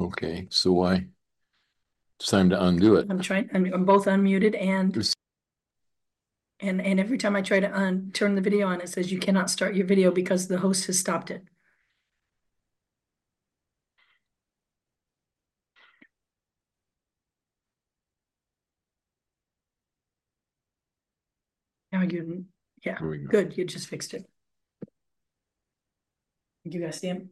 Okay, so it's time to undo it. I'm trying. I'm both unmuted and every time I try to turn the video on, it says you cannot start your video because the host has stopped it. Now you're yeah. There we go. Good. You just fixed it. Do you guys see him?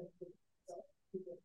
Good. It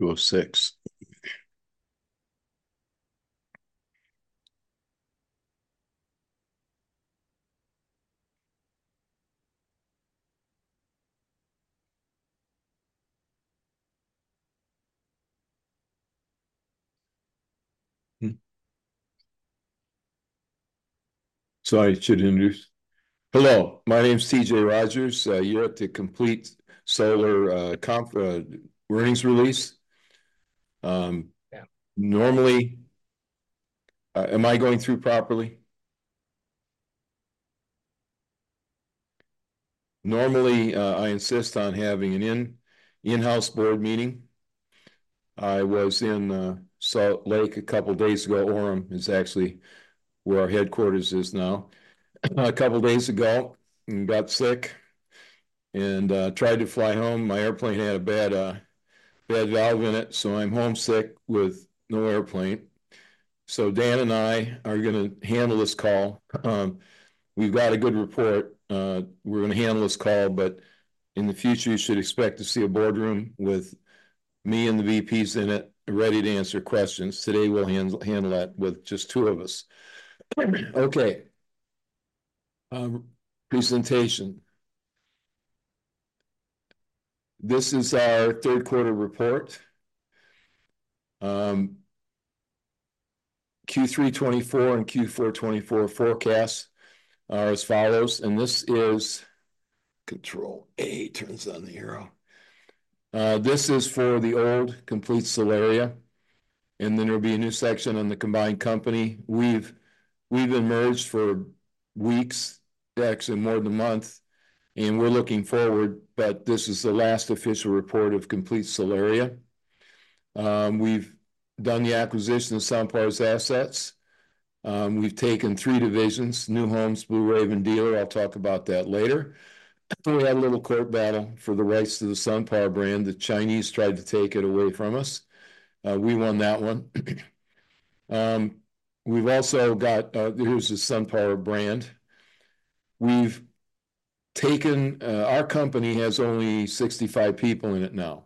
was six. Sorry, should introduce. Hello, my name's T.J. Rodgers. You're at the Complete Solaria Earnings Release. Normally, am I going through properly? Normally, I insist on having an in-house board meeting. I was in Salt Lake a couple of days ago, Orem is actually where our headquarters is now, a couple of days ago and got sick and tried to fly home. My airplane had a bad valve in it, so I'm homesick with no airplane. So Dan and I are going to handle this call. We've got a good report. We're going to handle this call, but in the future, you should expect to see a boardroom with me and the VPs in it ready to answer questions. Today, we'll handle that with just two of us. Okay. Presentation. This is our third-quarter report. Q324 and Q424 forecasts are as follows, and this is. Control A turns on the arrow. This is for the old Complete Solaria, and then there'll be a new section on the combined company. We've emerged for weeks, actually more than a month, and we're looking forward, but this is the last official report of Complete Solaria. We've done the acquisition of SunPower's assets. We've taken three divisions: New Homes, Blue Raven, and Dealer. I'll talk about that later. We had a little court battle for the rights to the SunPower brand. The Chinese tried to take it away from us. We won that one. We've also got, here's the SunPower brand. We've taken, our company has only 65 people in it now,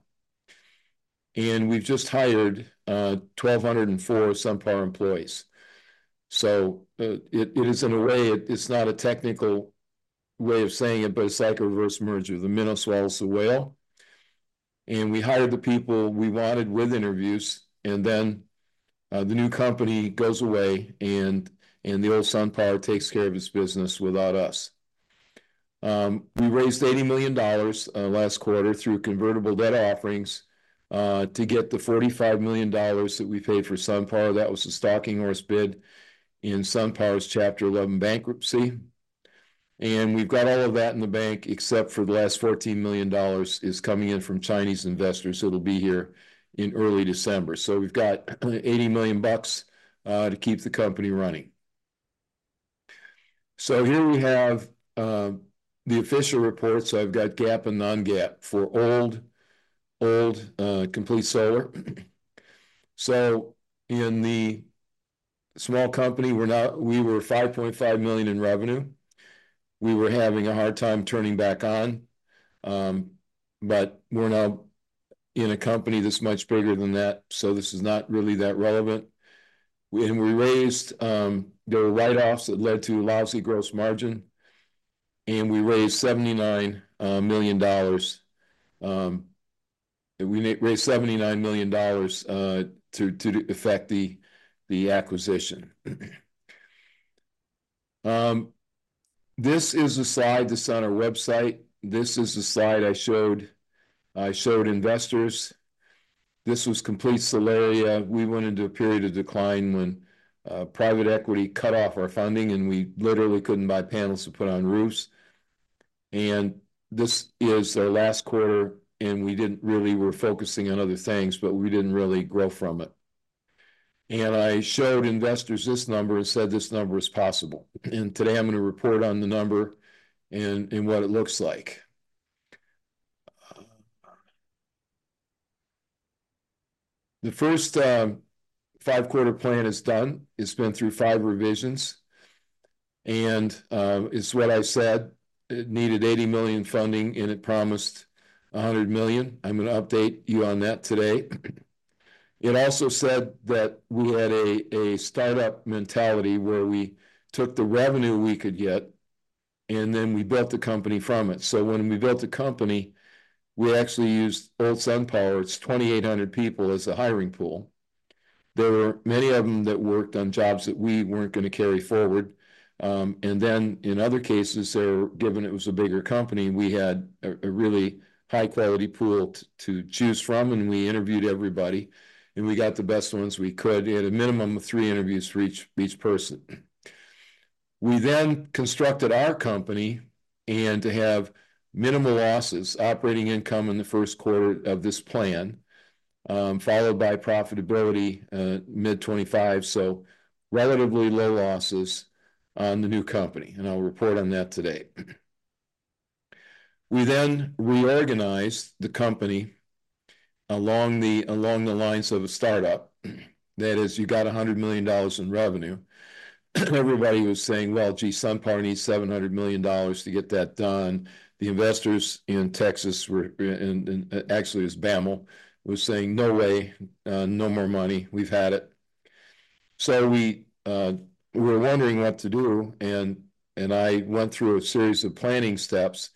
and we've just hired 1,204 SunPower employees. So it is, in a way, it's not a technical way of saying it, but it's like a reverse merger: the minnow swallows the whale. We hired the people we wanted with interviews, and then the new company goes away, and the old SunPower takes care of its business without us. We raised $80 million last quarter through convertible debt offerings to get the $45 million that we paid for SunPower. That was the stalking horse bid in SunPower's Chapter 11 bankruptcy. We've got all of that in the bank except for the last $14 million is coming in from Chinese investors that'll be here in early December. We've got 80 million bucks to keep the company running. Here we have the official reports. I've got GAAP and non-GAAP for old Complete Solar. In the small company, we were $5.5 million in revenue. We were having a hard time turning backlog on, but we're now in a company that's much bigger than that, so this is not really that relevant. We raised. There were write-offs that led to a lousy gross margin, and we raised $79 million. We raised $79 million to affect the acquisition. This is a slide that's on our website. This is the slide I showed investors. This was Complete Solaria. We went into a period of decline when private equity cut off our funding, and we literally couldn't buy panels to put on roofs. This is our last quarter, and we didn't really. We were focusing on other things, but we didn't really grow from it. I showed investors this number and said this number is possible. Today, I'm going to report on the number and what it looks like. The first five-quarter plan is done. It's been through five revisions. It's what I said. It needed $80 million funding, and it promised $100 million. I'm going to update you on that today. It also said that we had a startup mentality where we took the revenue we could get, and then we built the company from it. So when we built the company, we actually used old SunPower. It's 2,800 people as a hiring pool. There were many of them that worked on jobs that we weren't going to carry forward. And then, in other cases, given it was a bigger company, we had a really high-quality pool to choose from, and we interviewed everybody, and we got the best ones we could. We had a minimum of three interviews for each person. We then constructed our company and have minimal losses, operating income in the first quarter of this plan, followed by profitability mid-25, so relatively low losses on the new company. And I'll report on that today. We then reorganized the company along the lines of a startup. That is, you got $100 million in revenue. Everybody was saying, "Well, geez, SunPower needs $700 million to get that done." The investors in Texas were, and actually, it was BAML, was saying, "No way. No more money. We've had it." So we were wondering what to do, and I went through a series of planning steps.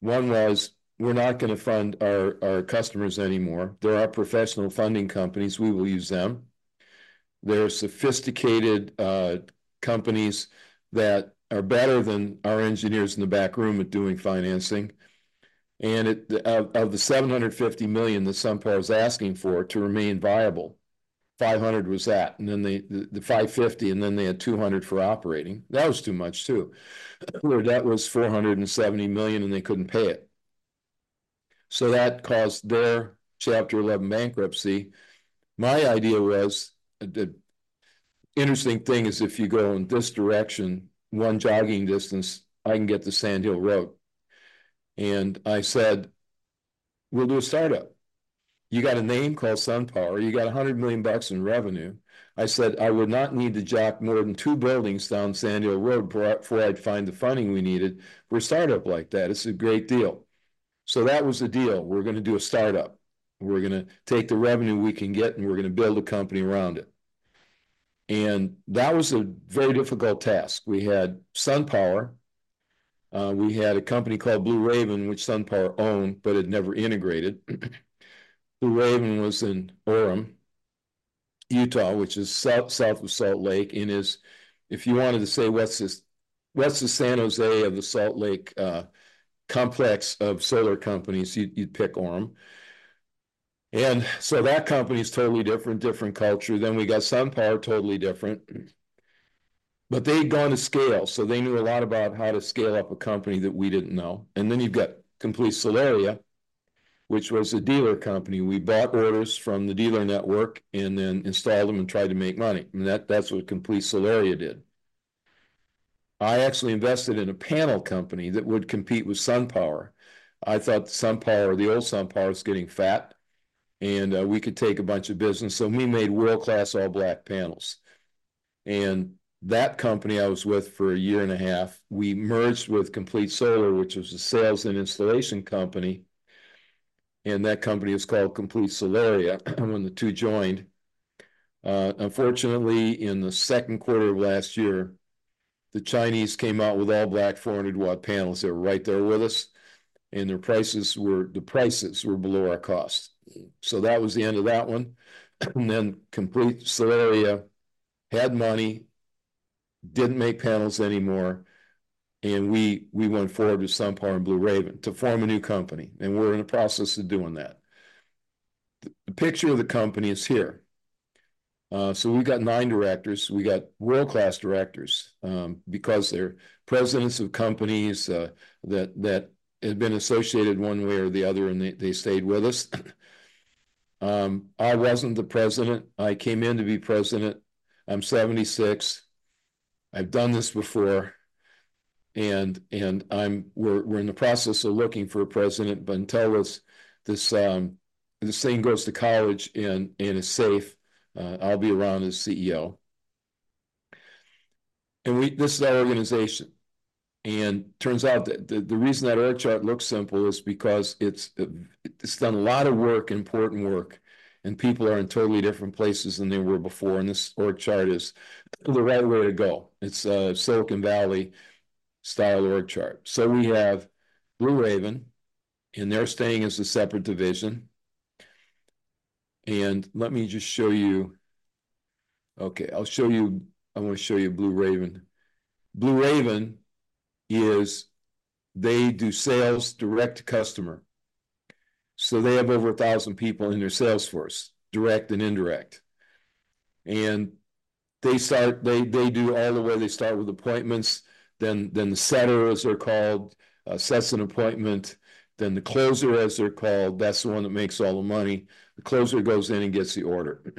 One was, we're not going to fund our customers anymore. There are professional funding companies. We will use them. There are sophisticated companies that are better than our engineers in the back room at doing financing. And of the $750 million that SunPower was asking for to remain viable, $500 million was that, and then the $550 million, and then they had $200 million for operating. That was too much too. That was $470 million, and they couldn't pay it. So that caused their Chapter 11 bankruptcy. My idea was, the interesting thing is if you go in this direction, one jogging distance, I can get to Sand Hill Road. And I said, "We'll do a startup. You got a name called SunPower. You got $100 million in revenue." I said, "I would not need to jog more than two buildings down Sand Hill Road before I'd find the funding we needed for a startup like that. It's a great deal." So that was the deal. We're going to do a startup. We're going to take the revenue we can get, and we're going to build a company around it. And that was a very difficult task. We had SunPower. We had a company called Blue Raven, which SunPower owned, but had never integrated. Blue Raven was in Orem, Utah, which is south of Salt Lake. If you wanted to say, "What's the San Jose of the Salt Lake complex of solar companies?" you'd pick Orem. That company's totally different, different culture. We got SunPower, totally different. But they'd gone to scale, so they knew a lot about how to scale up a company that we didn't know. You've got Complete Solaria, which was a dealer company. We bought orders from the dealer network and then installed them and tried to make money. That's what Complete Solaria did. I actually invested in a panel company that would compete with SunPower. I thought the SunPower, the old SunPower, was getting fat, and we could take a bunch of business. We made world-class all-black panels. That company I was with for a year and a half; we merged with Complete Solar, which was a sales and installation company. That company is called Complete Solaria when the two joined. Unfortunately, in the second quarter of last year, the Chinese came out with all-black 400-watt panels. They were right there with us, and their prices were below our cost. So that was the end of that one. And then Complete Solaria had money, didn't make panels anymore, and we went forward with SunPower and Blue Raven to form a new company. And we're in the process of doing that. The picture of the company is here. So we've got nine directors. We got world-class directors because they're presidents of companies that have been associated one way or the other, and they stayed with us. I wasn't the President. I came in to be President. I'm 76. I've done this before. And we're in the process of looking for a president, but until this thing goes to college and is safe, I'll be around as CEO. And this is our organization. And it turns out that the reason that org chart looks simple is because it's done a lot of work, important work, and people are in totally different places than they were before. And this org chart is the right way to go. It's a Silicon Valley-style org chart. So we have Blue Raven, and they're staying as a separate division. And let me just show you, okay, I'll show you. I want to show you Blue Raven. Blue Raven is they do sales, direct to customer. So they have over 1,000 people in their sales force, direct and indirect. And they do all the way they start with appointments, then the setter, as they're called, sets an appointment, then the closer, as they're called, that's the one that makes all the money. The closer goes in and gets the order.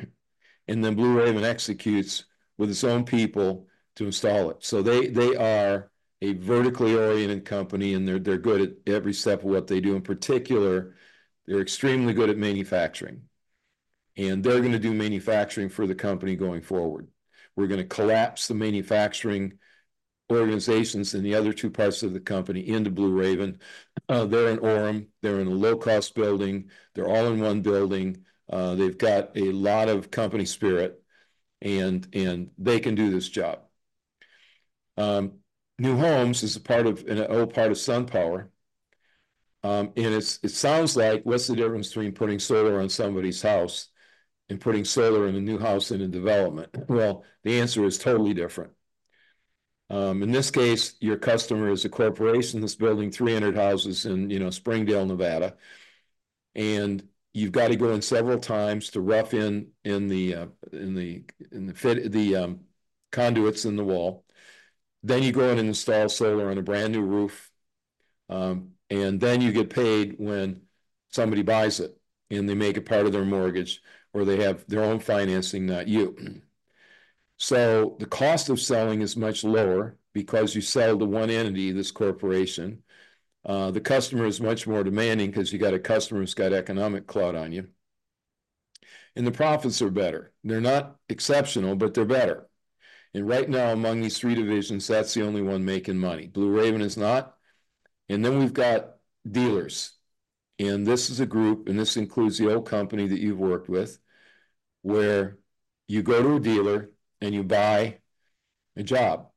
And then Blue Raven executes with its own people to install it. So they are a vertically oriented company, and they're good at every step of what they do. In particular, they're extremely good at manufacturing. And they're going to do manufacturing for the company going forward. We're going to collapse the manufacturing organizations in the other two parts of the company into Blue Raven. They're in Orem. They're in a low-cost building. They're all in one building. They've got a lot of company spirit, and they can do this job. New Homes is an old part of SunPower. And it sounds like, "What's the difference between putting solar on somebody's house and putting solar in a new house in a development?" Well, the answer is totally different. In this case, your customer is a corporation that's building 300 houses in Springdale, Nevada. And you've got to go in several times to rough in the conduits in the wall. Then you go in and install solar on a brand new roof. And then you get paid when somebody buys it, and they make it part of their mortgage, or they have their own financing, not you. So the cost of selling is much lower because you sell to one entity, this corporation. The customer is much more demanding because you've got a customer who's got economic clout on you. And the profits are better. They're not exceptional, but they're better. Right now, among these three divisions, that's the only one making money. Blue Raven is not. And then we've got dealers. And this is a group, and this includes the old company that you've worked with, where you go to a dealer and you buy a job.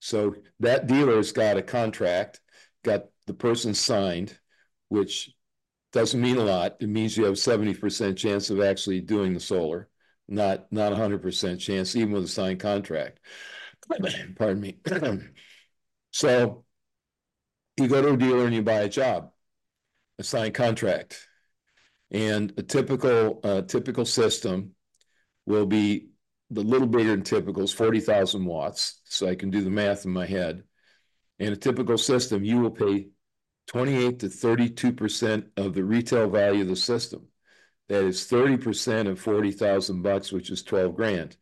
So that dealer's got a contract, got the person signed, which doesn't mean a lot. It means you have a 70% chance of actually doing the solar, not a 100% chance, even with a signed contract. Pardon me. So you go to a dealer and you buy a job, a signed contract. And a typical system will be the little bigger than typical is 40,000 watts, so I can do the math in my head. In a typical system, you will pay 28%-32% of the retail value of the system. That is 30% of $40,000, which is $12,000.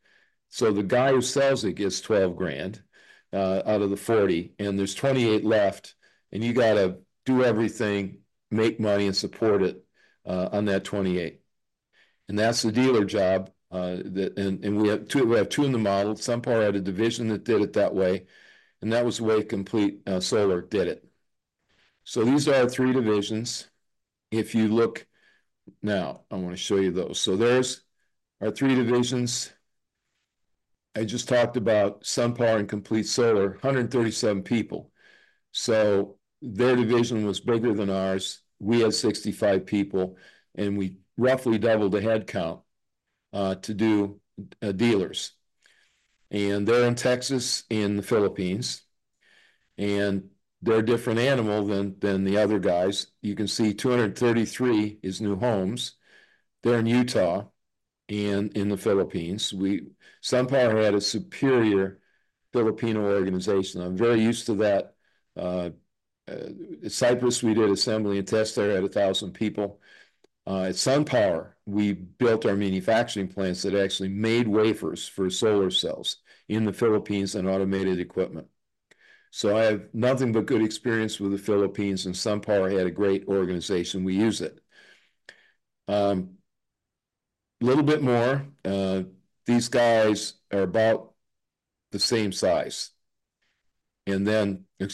So the guy who sells it gets $12,000 out of the $40,000, and there's $28,000 left. And you got to do everything, make money, and support it on that $28,000. And that's the dealer job. And we have two in the model. SunPower had a division that did it that way. And that was the way Complete Solar did it. So these are our three divisions. If you look now, I want to show you those. So there's our three divisions. I just talked about SunPower and Complete Solar, 137 people. So their division was bigger than ours. We had 65 people, and we roughly doubled the headcount to do dealers. And they're in Texas and the Philippines. And they're a different animal than the other guys. You can see 233 is New Homes. They're in Utah and in the Philippines. SunPower had a superior Filipino organization. I'm very used to that. At Cypress, we did assembly and test. They had 1,000 people. At SunPower, we built our manufacturing plants that actually made wafers for solar cells in the Philippines and automated equipment. So I have nothing but good experience with the Philippines, and SunPower had a great organization. We use it. A little bit more. These guys are about the same size. Then we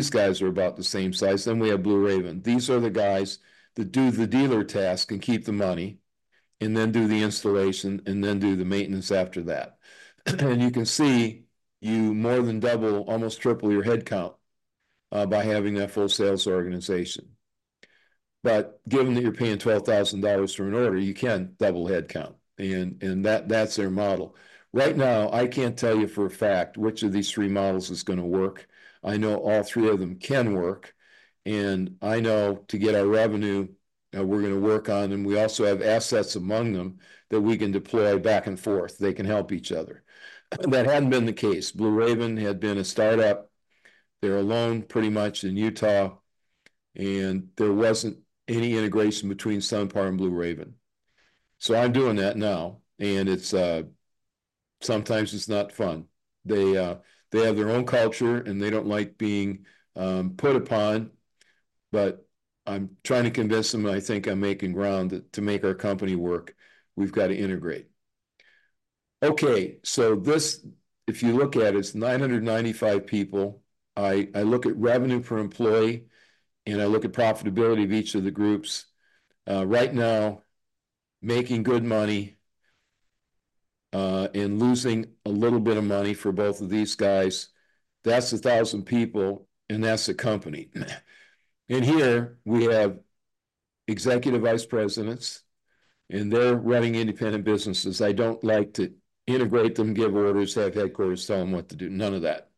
have Blue Raven. These are the guys that do the dealer task and keep the money, and then do the installation, and then do the maintenance after that. And you can see you more than double, almost triple your headcount by having that full sales organization. But given that you're paying $12,000 for an order, you can double headcount. And that's their model. Right now, I can't tell you for a fact which of these three models is going to work. I know all three of them can work. And I know to get our revenue, we're going to work on them. We also have assets among them that we can deploy back and forth. They can help each other. That hadn't been the case. Blue Raven had been a startup. They're alone pretty much in Utah. And there wasn't any integration between SunPower and Blue Raven. So I'm doing that now. And sometimes it's not fun. They have their own culture, and they don't like being put upon. But I'm trying to convince them, and I think I'm making ground to make our company work. We've got to integrate. Okay. So this, if you look at it, it's 995 people. I look at revenue per employee, and I look at profitability of each of the groups. Right now, making good money and losing a little bit of money for both of these guys, that's 1,000 people, and that's the company. Here, we have executive vice presidents, and they're running independent businesses. I don't like to integrate them, give orders, have headquarters tell them what to do. None of that.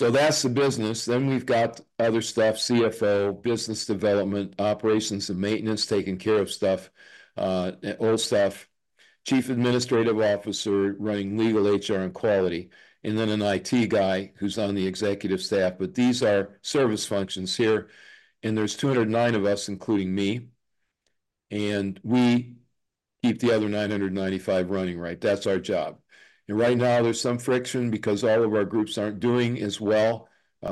That's the business. Then we've got other stuff: CFO, business development, operations and maintenance, taking care of stuff, old stuff, chief administrative officer running legal, HR, and quality, and then an IT guy who's on the executive staff. These are service functions here. There's 209 of us, including me. We keep the other 995 running right. That's our job. Right now, there's some friction because all of our groups aren't doing as well,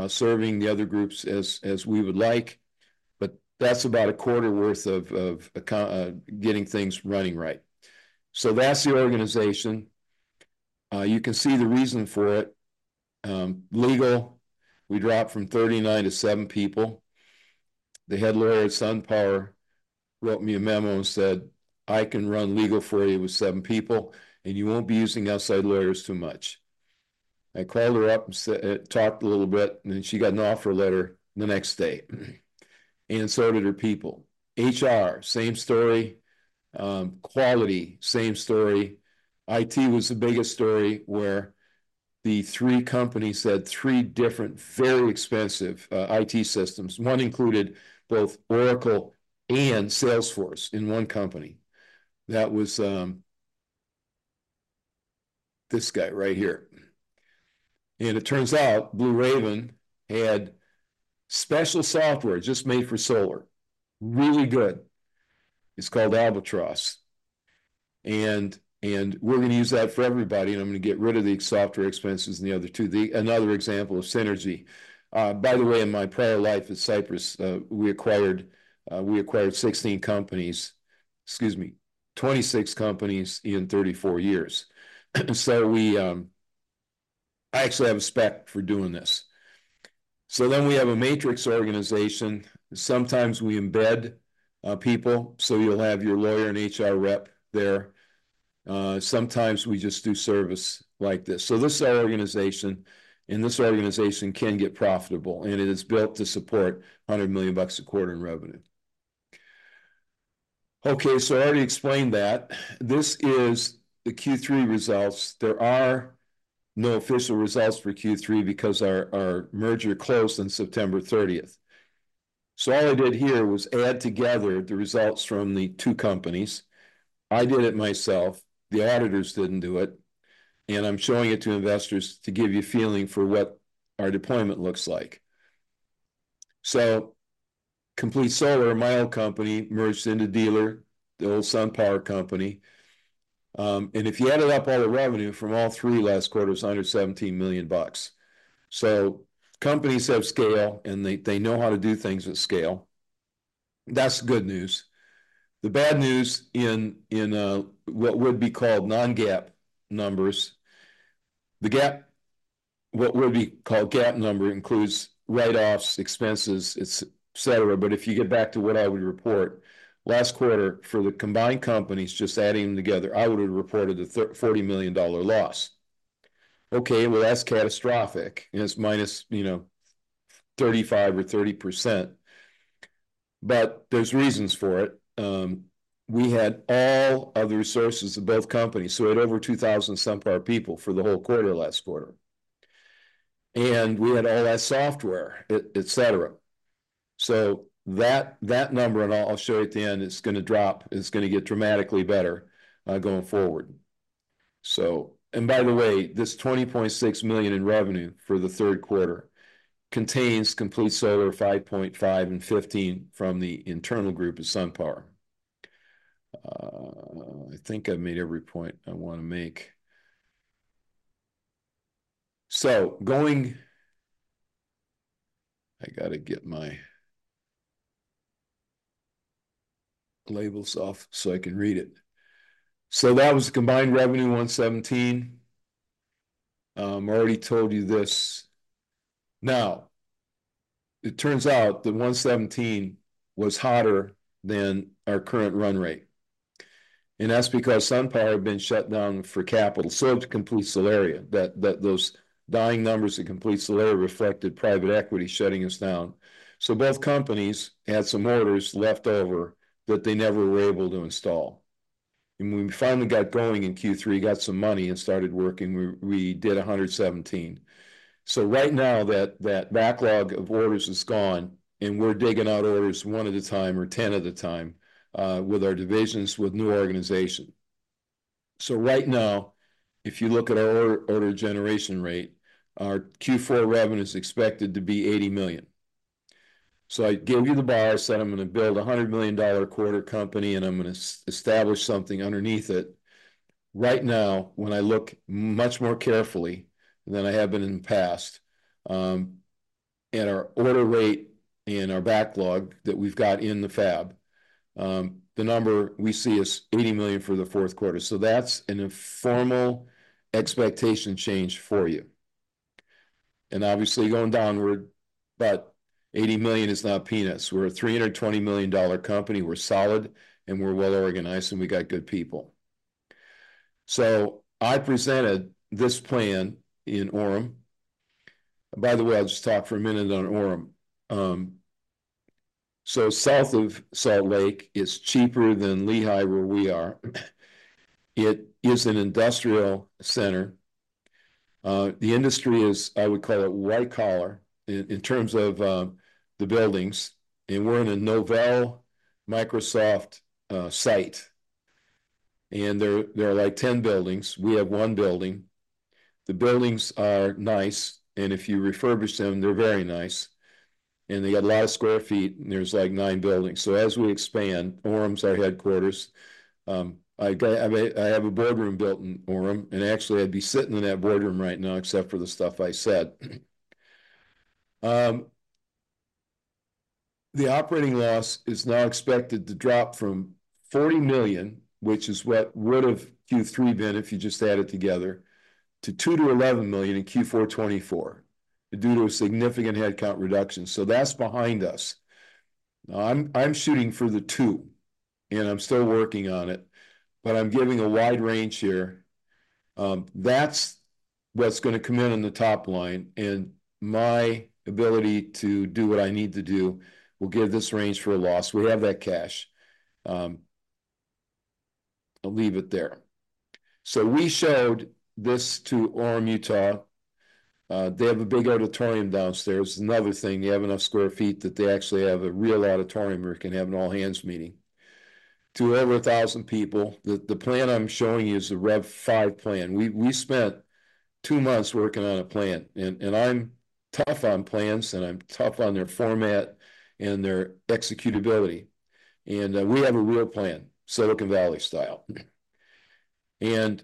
serving the other groups as we would like. But that's about a quarter worth of getting things running right. That's the organization. You can see the reason for it. Legal, we dropped from 39 to seven people. The head lawyer at SunPower wrote me a memo and said, "I can run legal for you with seven people, and you won't be using outside lawyers too much." I called her up and talked a little bit, and then she got an offer letter the next day. And so did her people. HR, same story. Quality, same story. IT was the biggest story where the three companies had three different, very expensive IT systems. One included both Oracle and Salesforce in one company. That was this guy right here. And it turns out Blue Raven had special software just made for solar, really good. It's called Albatross. And we're going to use that for everybody, and I'm going to get rid of the software expenses and the other two. Another example of synergy. By the way, in my prior life at Cypress, we acquired 16 companies, excuse me, 26 companies in 34 years. So I actually have a spec for doing this. So then we have a matrix organization. Sometimes we embed people, so you'll have your lawyer and HR rep there. Sometimes we just do service like this. So this is our organization. And this organization can get profitable. And it is built to support $100 million of quarterly revenue. Okay. So I already explained that. This is the Q3 results. There are no official results for Q3 because our merger closed on September 30th. So all I did here was add together the results from the two companies. I did it myself. The auditors didn't do it. And I'm showing it to investors to give you a feeling for what our deployment looks like. Complete Solar, my old company, merged into Solaria, the old SunPower company. And if you added up all the revenue from all three last quarters, $117 million. Companies have scale, and they know how to do things at scale. That's the good news. The bad news in what would be called non-GAAP numbers, the GAAP, what would be called GAAP number, includes write-offs, expenses, etc. But if you get back to what I would report last quarter for the combined companies just adding them together, I would have reported a $40 million loss. Okay. Well, that's catastrophic. And it's minus 35% or 30%. But there's reasons for it. We had all other resources of both companies. So we had over 2,000 SunPower people for the whole quarter last quarter. And we had all that software, etc. So that number, and I'll show you at the end, is going to drop. It's going to get dramatically better going forward. And by the way, this $20.6 million in revenue for the third quarter contains Complete Solaria $5.5 million and $15 million from the internal group of SunPower. I think I've made every point I want to make. So I got to get my labels off so I can read it. So that was the combined revenue, $117 million. I already told you this. Now, it turns out that $117 million was hotter than our current run rate. And that's because SunPower had been shut down for capital. So did Complete Solaria. Those dying numbers at Complete Solaria reflected private equity shutting us down. So both companies had some orders left over that they never were able to install, and when we finally got going in Q3, got some money and started working, we did 117. So right now, that backlog of orders is gone, and we're digging out orders one at a time or 10 at a time with our divisions with new organization, so right now, if you look at our order generation rate, our Q4 revenue is expected to be $80 million. I gave you what the buyer said. "I'm going to build a $100 million quarter company, and I'm going to establish something underneath it." Right now, when I look much more carefully than I have been in the past, and our order rate and our backlog that we've got in the fab, the number we see is $80 million for the fourth quarter. That's an informal expectation change for you. And obviously, going downward, but $80 million is not peanuts. We're a $320 million company. We're solid, and we're well organized, and we got good people. I presented this plan in Orem. By the way, I'll just talk for a minute on Orem. South of Salt Lake is cheaper than Lehi, where we are. It is an industrial center. The industry is, I would call it, white-collar in terms of the buildings. And we're in a Novell Microsoft site. And there are like 10 buildings. We have one building. The buildings are nice. And if you refurbish them, they're very nice. And they got a lot of sq ft, and there's like nine buildings. So as we expand, Orem's our headquarters. I have a boardroom built in Orem. And actually, I'd be sitting in that boardroom right now except for the stuff I said. The operating loss is now expected to drop from $40 million, which is what would have Q3 been if you just add it together, to $2-$11 million in Q4 2024 due to a significant headcount reduction. So that's behind us. I'm shooting for the two, and I'm still working on it. But I'm giving a wide range here. That's what's going to come in on the top line. And my ability to do what I need to do will give this range for a loss. We have that cash. I'll leave it there. So we showed this to Orem, Utah. They have a big auditorium downstairs. Another thing, they have enough sq ft that they actually have a real auditorium where they can have an all-hands meeting to over 1,000 people. The plan I'm showing you is the Rev 5 plan. We spent two months working on a plan. And I'm tough on plans, and I'm tough on their format and their executability. And we have a real plan, Silicon Valley style. And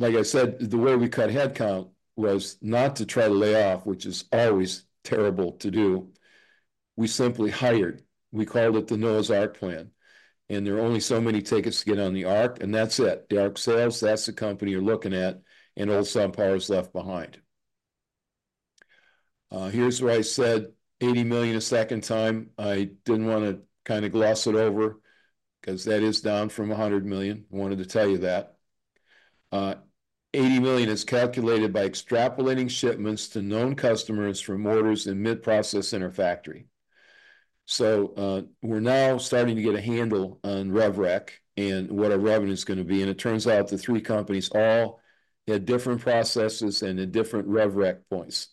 like I said, the way we cut headcount was not to try to lay off, which is always terrible to do. We simply hired. We called it the Noah's Ark plan. And there are only so many tickets to get on the Ark, and that's it. The Ark Sales, that's the company you're looking at, and old SunPower is left behind. Here's where I said $80 million a second time. I didn't want to kind of gloss it over because that is down from $100 million. I wanted to tell you that. $80 million is calculated by extrapolating shipments to known customers from orders in mid-process in our factory. So we're now starting to get a handle on Rev Rec and what our revenue is going to be. And it turns out the three companies all had different processes and had different Rev Rec points.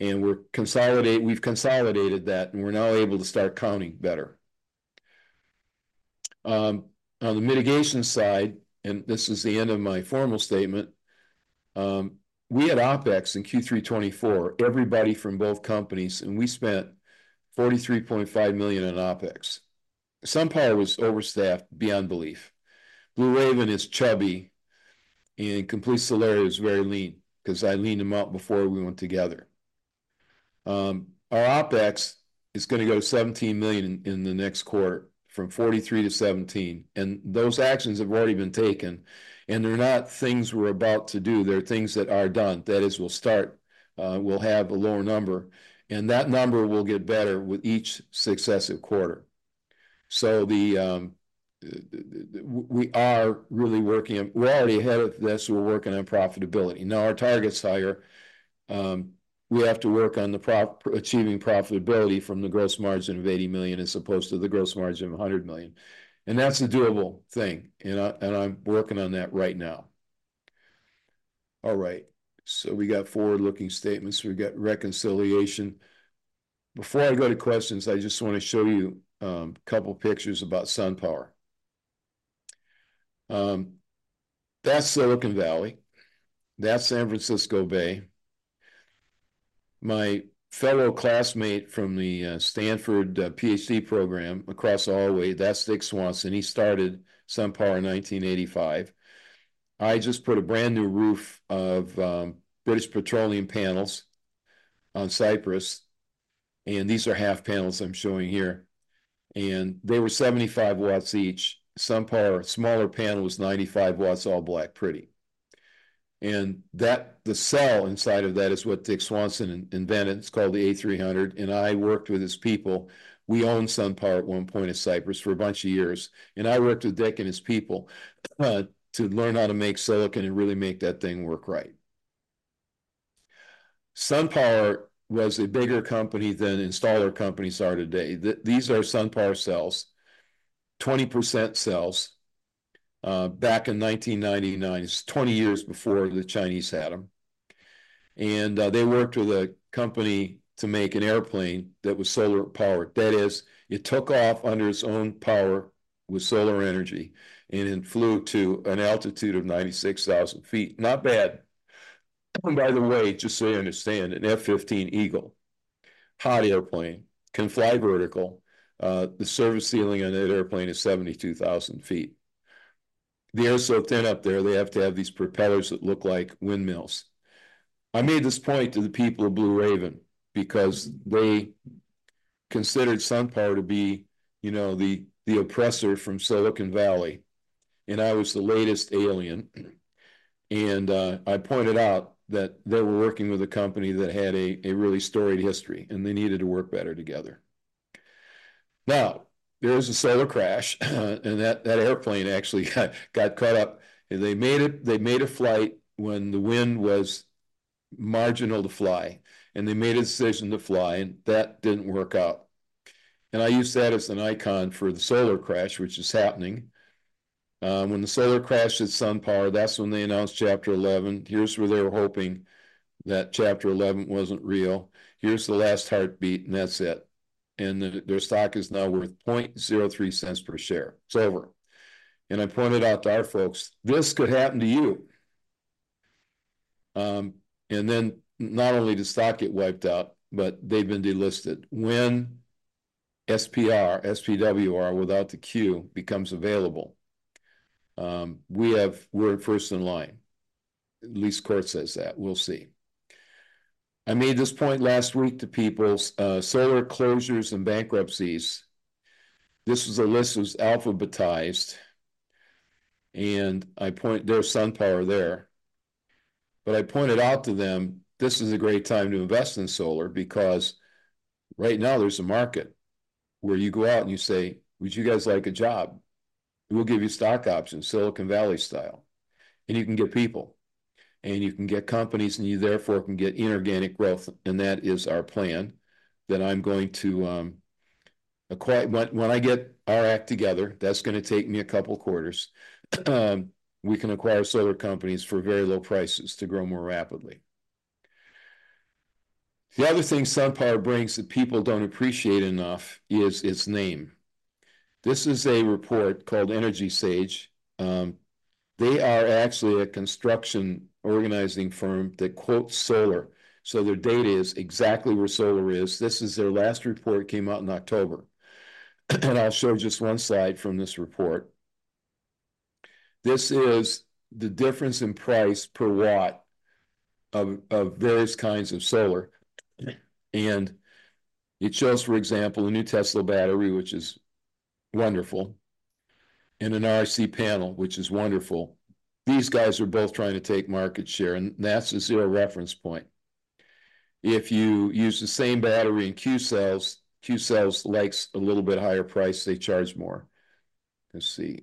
And we've consolidated that, and we're now able to start counting better. On the mitigation side, and this is the end of my formal statement, we had OpEx in Q3 2024, everybody from both companies, and we spent $43.5 million in OpEx. SunPower was overstaffed beyond belief. Blue Raven is chubby, and Complete Solaria is very lean because I leaned them out before we went together. Our OpEx is going to go $17 million in the next quarter from $43 million to $17 million. And those actions have already been taken. And they're not things we're about to do. They're things that are done. That is, we'll start. We'll have a lower number. And that number will get better with each successive quarter. So we are really working on. We're already ahead of this. We're working on profitability. Now, our target's higher. We have to work on achieving profitability from the gross margin of $80 million as opposed to the gross margin of $100 million. That's a doable thing. I'm working on that right now. All right. So we got forward-looking statements. We got reconciliation. Before I go to questions, I just want to show you a couple of pictures about SunPower. That's Silicon Valley. That's San Francisco Bay. My fellow classmate from the Stanford PhD program across the hallway, that's Dick Swanson. He started SunPower in 1985. I just put a brand new roof of British Petroleum panels on Cypress. And these are half panels I'm showing here. And they were 75 watts each. SunPower smaller panel was 95 watts, all black, pretty. And the cell inside of that is what Dick Swanson invented. It's called the A300. And I worked with his people. We owned SunPower at one point at Cypress for a bunch of years. I worked with Dick and his people to learn how to make silicon and really make that thing work right. SunPower was a bigger company than installer companies are today. These are SunPower cells, 20% cells. Back in 1999, it's 20 years before the Chinese had them. They worked with a company to make an airplane that was solar-powered. That is, it took off under its own power with solar energy and flew to an altitude of 96,000 feet. Not bad. By the way, just so you understand, an F-15 Eagle, hot airplane, can fly vertical. The service ceiling on that airplane is 72,000 feet. The air's so thin up there, they have to have these propellers that look like windmills. I made this point to the people of Blue Raven because they considered SunPower to be the oppressor from Silicon Valley. I was the latest alien. I pointed out that they were working with a company that had a really storied history, and they needed to work better together. Now, there is a solar crash, and that airplane actually got caught up. They made a flight when the wind was marginal to fly. They made a decision to fly, and that didn't work out. I used that as an icon for the solar crash, which is happening. When the solar crashed at SunPower, that's when they announced Chapter 11. Here's where they were hoping that Chapter 11 wasn't real. Here's the last heartbeat, and that's it. Their stock is now worth $0.03 per share. It's over. I pointed out to our folks, "This could happen to you." Then not only did stock get wiped out, but they've been delisted. When SPR, SPWR, without the Q, becomes available, we're first in line. At least court says that. We'll see. I made this point last week to people, "Solar closures and bankruptcies." This was a list that was alphabetized. And I pointed out their SunPower there. But I pointed out to them, "This is a great time to invest in solar because right now there's a market where you go out and you say, 'Would you guys like a job?' We'll give you stock options, Silicon Valley style. And you can get people. And you can get companies, and you therefore can get inorganic growth. And that is our plan that I'm going to acquire. When I get our act together, that's going to take me a couple of quarters. We can acquire solar companies for very low prices to grow more rapidly. The other thing SunPower brings that people don't appreciate enough is its name. This is a report called EnergySage. They are actually a construction organizing firm that quotes solar. So their data is exactly where solar is. This is their last report came out in October. And I'll show just one slide from this report. This is the difference in price per watt of various kinds of solar. And it shows, for example, a new Tesla battery, which is wonderful, and an RC panel, which is wonderful. These guys are both trying to take market share. And that's a zero reference point. If you use the same battery in Qcells, Qcells likes a little bit higher price. They charge more. Let's see.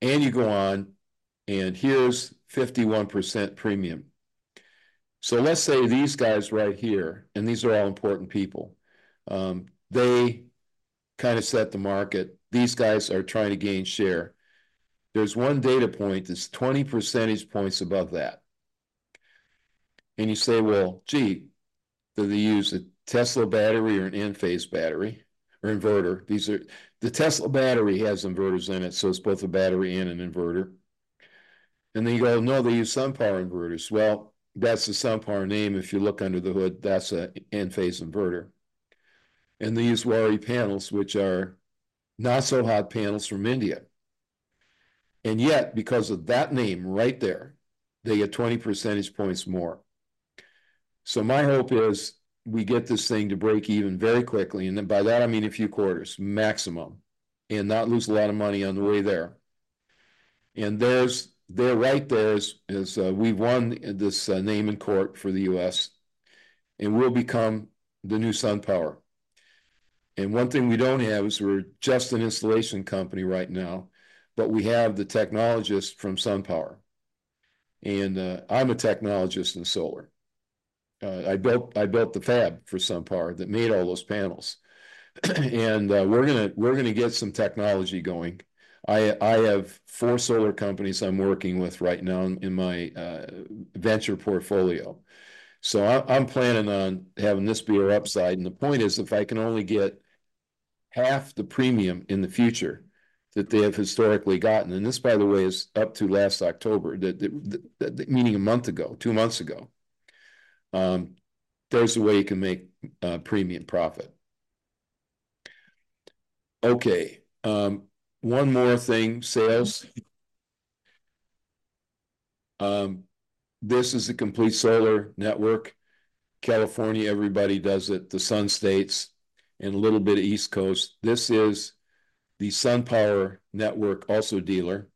And you go on, and here's 51% premium. So let's say these guys right here, and these are all important people. They kind of set the market. These guys are trying to gain share. There's one data point that's 20 percentage points above that. And you say, "Well, gee, do they use a Tesla battery or an Enphase battery or inverter?" The Tesla battery has inverters in it, so it's both a battery and an inverter. And then you go, "No, they use SunPower inverters." Well, that's the SunPower name. If you look under the hood, that's an Enphase inverter. And they use Waaree panels, which are not-so-hot panels from India. And yet, because of that name right there, they get 20 percentage points more. So my hope is we get this thing to break even very quickly. And by that, I mean a few quarters maximum and not lose a lot of money on the way there. And they're right there as we've won this name in court for the U.S., and we'll become the new SunPower. And one thing we don't have is we're just an installation company right now, but we have the technologists from SunPower. And I'm a technologist in solar. I built the fab for SunPower that made all those panels. And we're going to get some technology going. I have four solar companies I'm working with right now in my venture portfolio. So I'm planning on having this be our upside. And the point is, if I can only get half the premium in the future that they have historically gotten, and this, by the way, is up to last October, meaning a month ago, two months ago, there's a way you can make premium profit. Okay. One more thing, sales. This is a complete solar network. California, everybody does it. The Sun States, and a little bit of East Coast. This is the SunPower network, also dealer.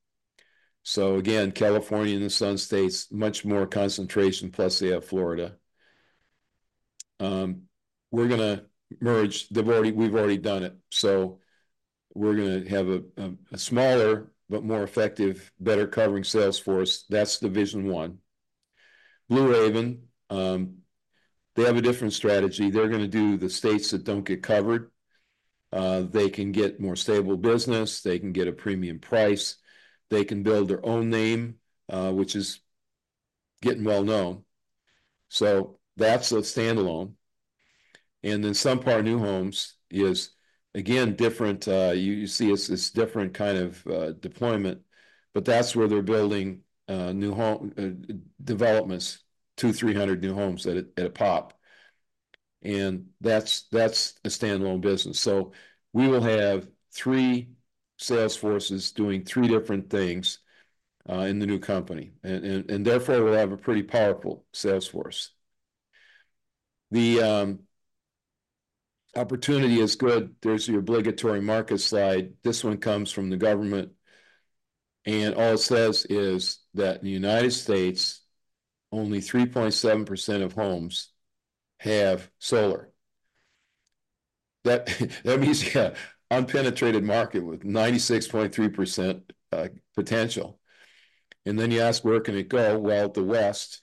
So again, California and the Sun States, much more concentration, plus they have Florida. We're going to merge. We've already done it. So we're going to have a smaller but more effective, better covering sales force. That's division one. Blue Raven, they have a different strategy. They're going to do the states that don't get covered. They can get more stable business. They can get a premium price. They can build their own name, which is getting well known. So that's a standalone. And then SunPower New Homes is, again, different. You see it's a different kind of deployment, but that's where they're building new developments, 2,300 new homes at a pop. And that's a standalone business. So we will have three sales forces doing three different things in the new company. Therefore, we'll have a pretty powerful sales force. The opportunity is good. There's the obligatory market slide. This one comes from the government. All it says is that in the United States, only 3.7% of homes have solar. That means you have an unpenetrated market with 96.3% potential. You ask, "Where can it go?" The West.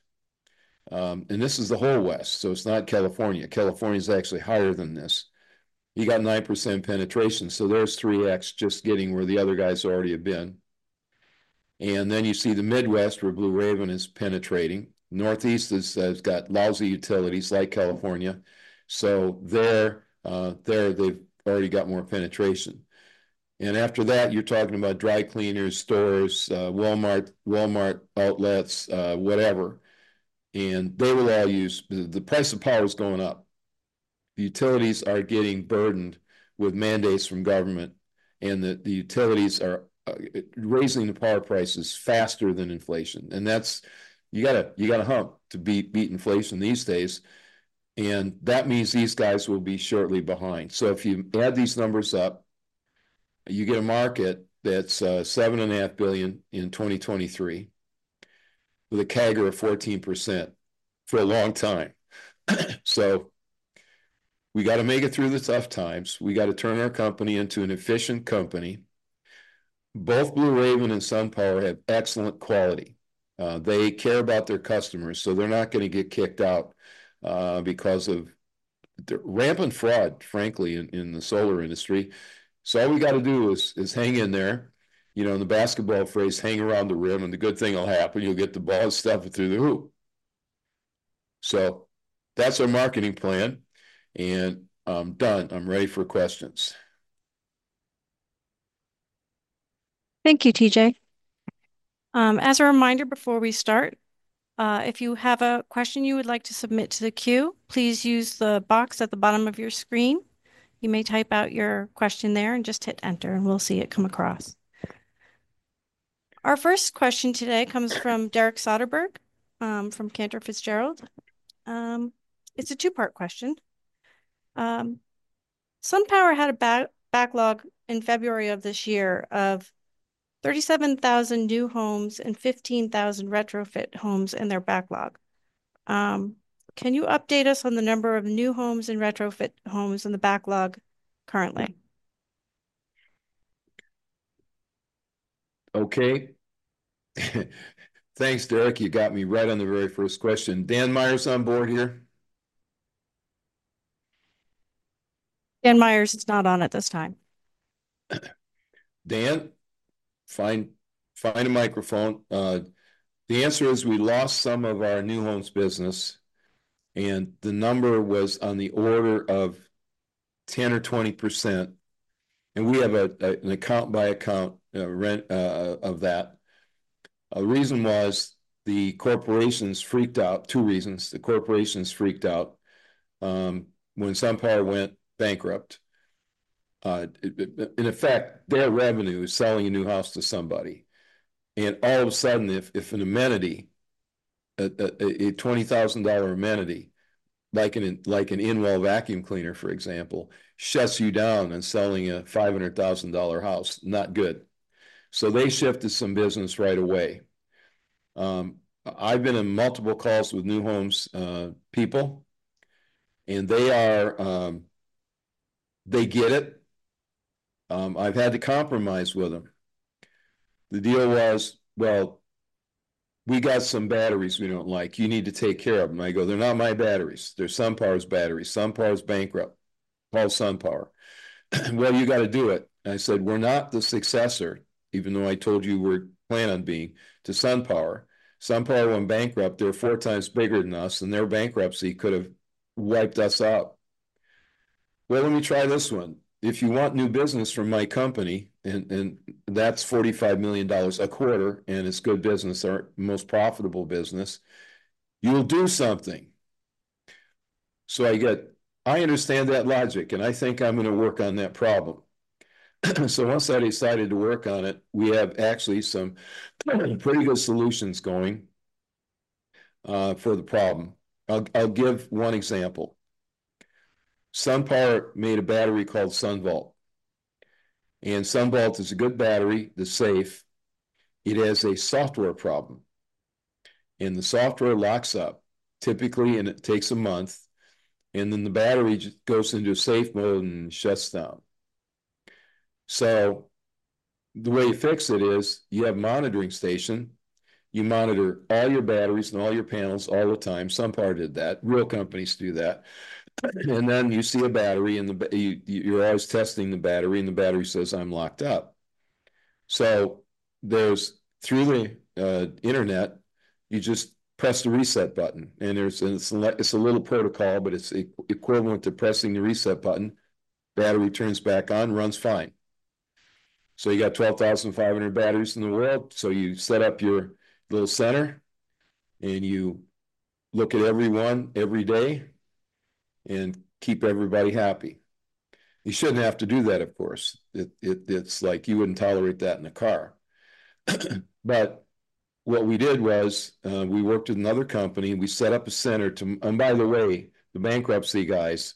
This is the whole West, so it's not California. California is actually higher than this. You got 9% penetration. There's 3x just getting where the other guys already have been. You see the Midwest, where Blue Raven is penetrating. Northeast has got lousy utilities like California. There, they've already got more penetration. After that, you're talking about dry cleaners, stores, Walmart, Walmart outlets, whatever. They will all use the price of power is going up. The utilities are getting burdened with mandates from government, and the utilities are raising the power prices faster than inflation. And you got to hump to beat inflation these days. And that means these guys will be shortly behind. So if you add these numbers up, you get a market that's $7.5 billion in 2023 with a CAGR of 14% for a long time. So we got to make it through the tough times. We got to turn our company into an efficient company. Both Blue Raven and SunPower have excellent quality. They care about their customers, so they're not going to get kicked out because of rampant fraud, frankly, in the solar industry. So all we got to do is hang in there. The basketball phrase, "Hang around the rim, and the good thing will happen. You'll get the ball stuffed through the hoop." So that's our marketing plan. I'm done. I'm ready for questions. Thank you, TJ. As a reminder, before we start, if you have a question you would like to submit to the queue, please use the box at the bottom of your screen. You may type out your question there and just hit enter, and we'll see it come across. Our first question today comes from Derek Soderberg from Cantor Fitzgerald. It's a two-part question. SunPower had a backlog in February of this year of 37,000 new homes and 15,000 retrofit homes in their backlog. Can you update us on the number of new homes and retrofit homes in the backlog currently? Okay. Thanks, Derek. You got me right on the very first question. Dan Myers on board here? Dan Myers is not on at this time. Dan? Find a microphone. The answer is we lost some of our new homes business, and the number was on the order of 10% or 20%. And we have an account-by-account rundown of that. The reason was the corporations freaked out. Two reasons. The corporations freaked out when SunPower went bankrupt. In effect, their revenue is selling a new house to somebody. And all of a sudden, if an amenity, a $20,000 amenity, like an in-wall vacuum cleaner, for example, shuts you down and selling a $500,000 house, not good. So they shifted some business right away. I've been on multiple calls with new homes people, and they get it. I've had to compromise with them. The deal was, "Well, we got some batteries we don't like. You need to take care of them." I go, "They're not my batteries. They're SunPower's batteries. SunPower's bankrupt. Call SunPower." "Well, you got to do it." I said, "We're not the successor, even though I told you we're planning on being to SunPower. SunPower went bankrupt. They're four times bigger than us, and their bankruptcy could have wiped us out." "Well, let me try this one. If you want new business from my company, and that's $45 million a quarter, and it's good business, our most profitable business, you'll do something." So I understand that logic, and I think I'm going to work on that problem. So once I decided to work on it, we have actually some pretty good solutions going for the problem. I'll give one example. SunPower made a battery called SunVault. And SunVault is a good battery. It's safe. It has a software problem. And the software locks up typically, and it takes a month. And then the battery goes into a safe mode and shuts down. So the way you fix it is you have a monitoring station. You monitor all your batteries and all your panels all the time. SunPower did that. Real companies do that. And then you see a battery, and you're always testing the battery, and the battery says, "I'm locked up." So through the internet, you just press the reset button. And it's a little protocol, but it's equivalent to pressing the reset button. Battery turns back on, runs fine. So you got 12,500 batteries in the world. So you set up your little center, and you look at everyone every day and keep everybody happy. You shouldn't have to do that, of course. It's like you wouldn't tolerate that in a car. But what we did was we worked with another company. We set up a center to, and by the way, the bankruptcy guys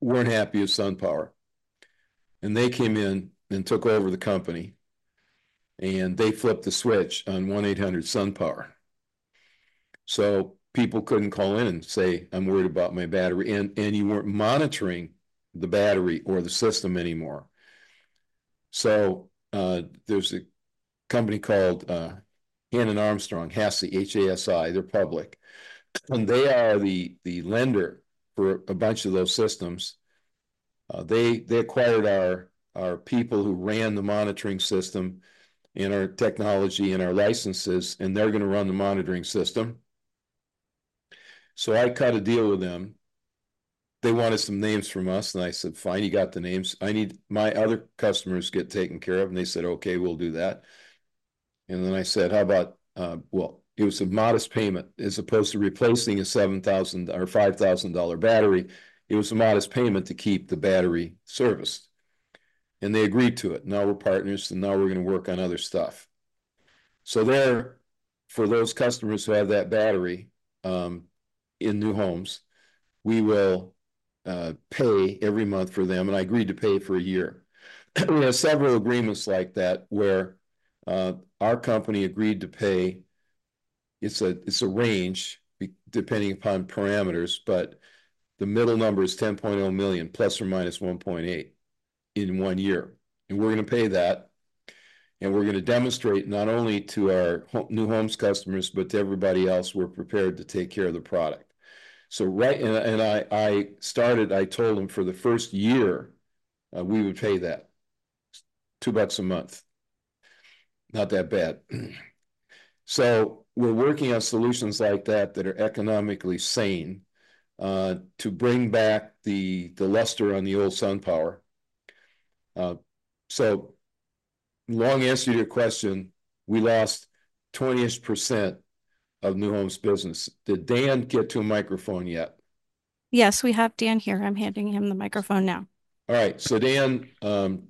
weren't happy with SunPower. And they came in and took over the company. And they flipped the switch on 1-800-SunPower. So people couldn't call in and say, "I'm worried about my battery." And you weren't monitoring the battery or the system anymore. So there's a company called Hannon Armstrong, HASI, H-A-S-I. They're public. And they are the lender for a bunch of those systems. They acquired our people who ran the monitoring system and our technology and our licenses, and they're going to run the monitoring system. So I cut a deal with them. They wanted some names from us, and I said, "Fine, you got the names. My other customers get taken care of." And they said, "Okay, we'll do that." And then I said, "How about, well, it was a modest payment as opposed to replacing a $7,000 or $5,000 battery. It was a modest payment to keep the battery serviced." And they agreed to it. Now we're partners, and now we're going to work on other stuff. So for those customers who have that battery in new homes, we will pay every month for them. And I agreed to pay for a year. We have several agreements like that where our company agreed to pay. It's a range depending upon parameters, but the middle number is $10.0 million, plus or minus $1.8 million in one year. And we're going to pay that. And we're going to demonstrate not only to our new homes customers, but to everybody else, we're prepared to take care of the product. So I started. I told them for the first year, we would pay that. $2 a month. Not that bad. So we're working on solutions like that that are economically sane to bring back the luster on the old SunPower. So long answer to your question, we lost 20-ish% of new homes business. Did Dan get to a microphone yet? Yes, we have Dan here. I'm handing him the microphone now. All right. So Dan, and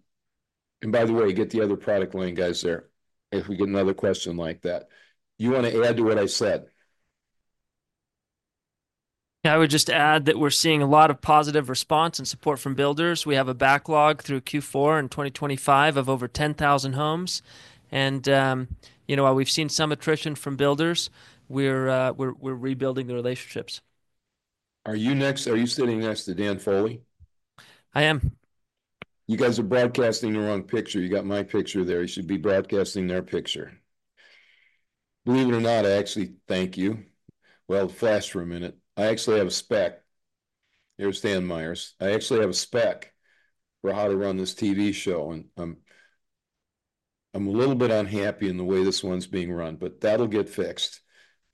by the way, get the other product line guys there if we get another question like that. You want to add to what I said? Yeah, I would just add that we're seeing a lot of positive response and support from builders. We have a backlog through Q4 in 2025 of over 10,000 homes. And while we've seen some attrition from builders, we're rebuilding the relationships. Are you sitting next to Dan Foley? I am. You guys are broadcasting the wrong picture. You got my picture there. You should be broadcasting their picture. Believe it or not, I actually thank you. Well, fast for a minute. I actually have a spec. Here's Dan Myers. I actually have a spec for how to run this TV show. And I'm a little bit unhappy in the way this one's being run, but that'll get fixed.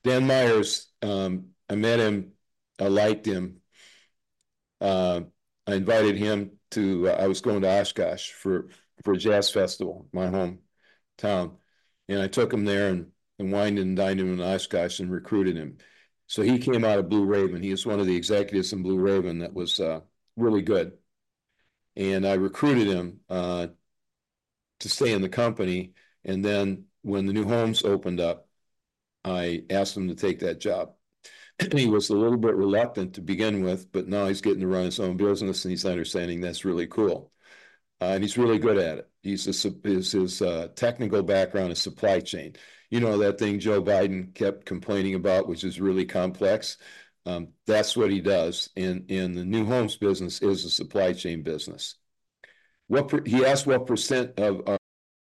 Dan Myers, I met him, I liked him. I invited him to. I was going to Oshkosh for a jazz festival, my hometown. And I took him there and wined and dined him in Oshkosh and recruited him. So he came out of Blue Raven. He was one of the executives in Blue Raven that was really good. And I recruited him to stay in the company. And then when the new homes opened up, I asked him to take that job. He was a little bit reluctant to begin with, but now he's getting to run his own business, and he's understanding that's really cool. And he's really good at it. His technical background is supply chain. You know that thing Joe Biden kept complaining about, which is really complex? That's what he does. And the new homes business is a supply chain business. He asked what % of our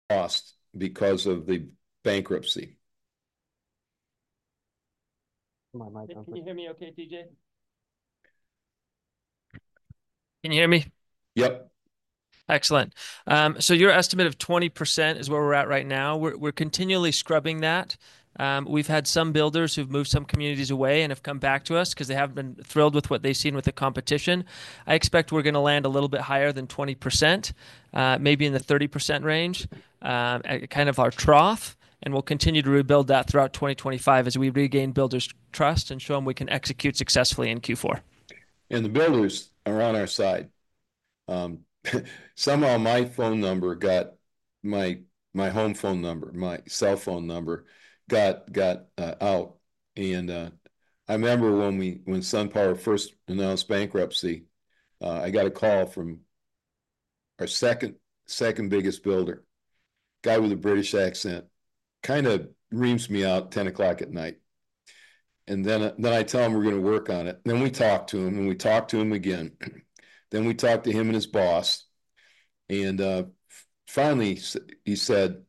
cost because of the bankruptcy. Can you hear me okay, TJ? Can you hear me? Yep. Excellent. So your estimate of 20% is where we're at right now. We're continually scrubbing that. We've had some builders who've moved some communities away and have come back to us because they haven't been thrilled with what they've seen with the competition. I expect we're going to land a little bit higher than 20%, maybe in the 30% range, kind of our trough. And we'll continue to rebuild that throughout 2025 as we regain builders' trust and show them we can execute successfully in Q4. And the builders are on our side. Somehow my home phone number, my cell phone number got out. And I remember when SunPower first announced bankruptcy, I got a call from our second biggest builder, a guy with a British accent, kind of reams me out at 10:00 P.M. And then I tell him we're going to work on it. Then we talk to him, and we talk to him again. Then we talk to him and his boss. And finally, he said,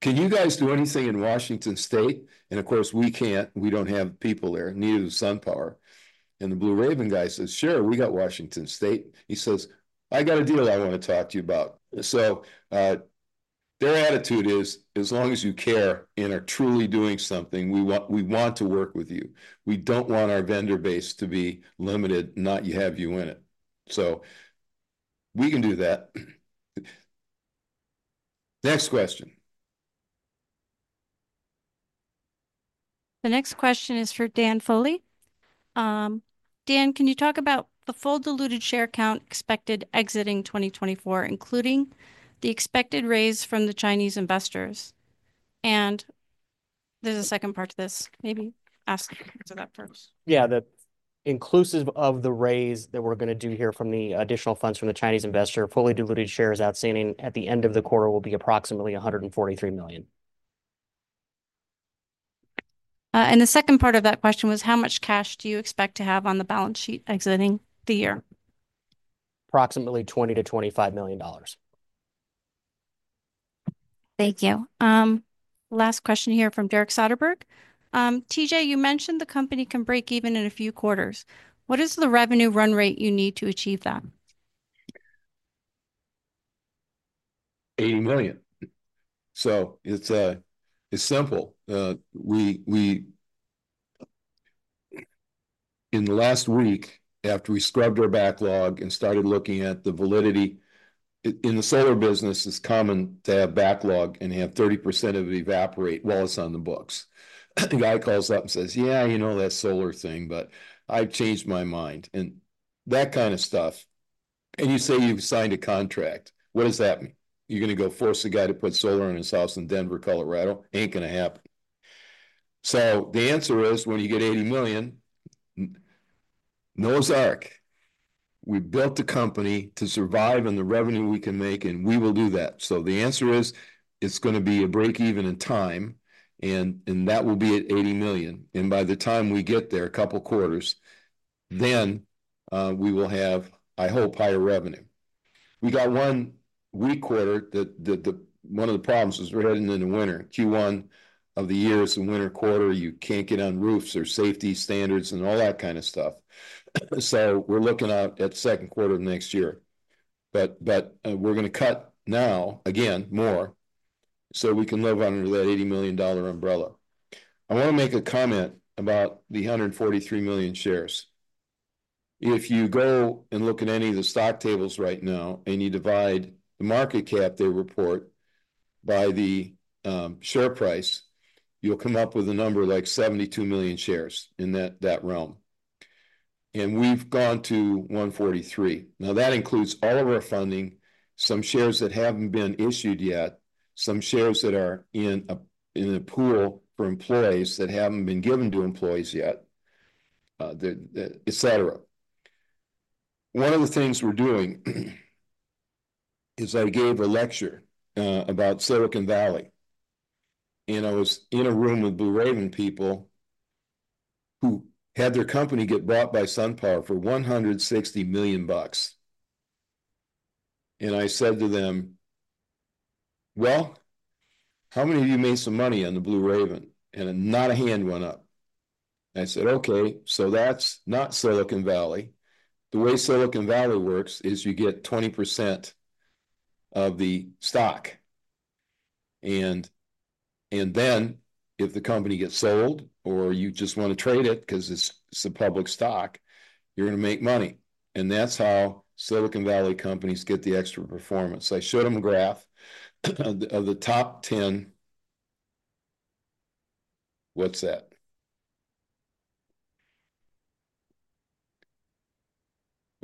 "Can you guys do anything in Washington State?" And of course, we can't. We don't have people there, neither does SunPower. And the Blue Raven guy says, "Sure, we got Washington State." He says, "I got a deal I want to talk to you about." So their attitude is, "As long as you care and are truly doing something, we want to work with you. We don't want our vendor base to be limited, not have you in it." So we can do that. Next question. The next question is for Dan Foley. Dan, can you talk about the fully diluted share count expected exiting 2024, including the expected raise from the Chinese investors? And there's a second part to this. Maybe ask that first. Yeah, inclusive of the raise that we're going to do here from the additional funds from the Chinese investor, fully diluted shares outstanding at the end of the quarter will be approximately 143 million. And the second part of that question was, how much cash do you expect to have on the balance sheet exiting the year? Approximately $20-$25 million. Thank you. Last question here from Derek Soderberg. TJ, you mentioned the company can break even in a few quarters. What is the revenue run rate you need to achieve that? $80 million. So it's simple. In the last week, after we scrubbed our backlog and started looking at the validity, in the solar business, it's common to have backlog and have 30% of it evaporate while it's on the books. The guy calls up and says, "Yeah, you know that solar thing, but I've changed my mind." And that kind of stuff. And you say you've signed a contract. What does that mean? You're going to go force a guy to put solar on his house in Denver, Colorado? Ain't going to happen. So the answer is, when you get $80 million, Noah's Ark. We built the company to survive in the revenue we can make, and we will do that. So the answer is, it's going to be a break even in time, and that will be at $80 million. And by the time we get there, a couple quarters, then we will have, I hope, higher revenue. We got one weak quarter. One of the problems is we're heading into winter. Q1 of the year is a winter quarter. You can't get on roofs or safety standards and all that kind of stuff. So we're looking out at second quarter of next year. But we're going to cut now, again, more so we can live under that $80 million umbrella. I want to make a comment about the 143 million shares. If you go and look at any of the stock tables right now and you divide the market cap they report by the share price, you'll come up with a number like 72 million shares in that realm. And we've gone to 143. Now, that includes all of our funding, some shares that haven't been issued yet, some shares that are in a pool for employees that haven't been given to employees yet, etc. One of the things we're doing is I gave a lecture about Silicon Valley. And I was in a room with Blue Raven people who had their company get bought by SunPower for $160 million. And I said to them, "Well, how many of you made some money on the Blue Raven?" And not a hand went up. I said, "Okay. So that's not Silicon Valley. The way Silicon Valley works is you get 20% of the stock. And then if the company gets sold or you just want to trade it because it's a public stock, you're going to make money. And that's how Silicon Valley companies get the extra performance. I showed them a graph of the top 10. What's that?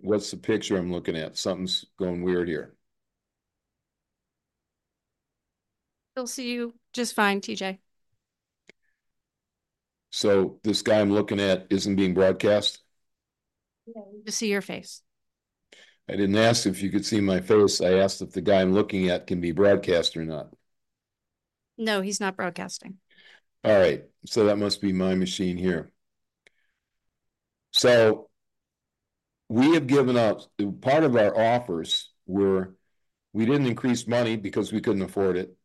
What's the picture I'm looking at? Something's going weird here. We'll see you just fine, TJ. So this guy I'm looking at isn't being broadcast? Yeah, we just see your face. I didn't ask if you could see my face. I asked if the guy I'm looking at can be broadcast or not. No, he's not broadcasting. All right. So that must be my machine here. So we have given out part of our offers where we didn't increase money because we couldn't afford it.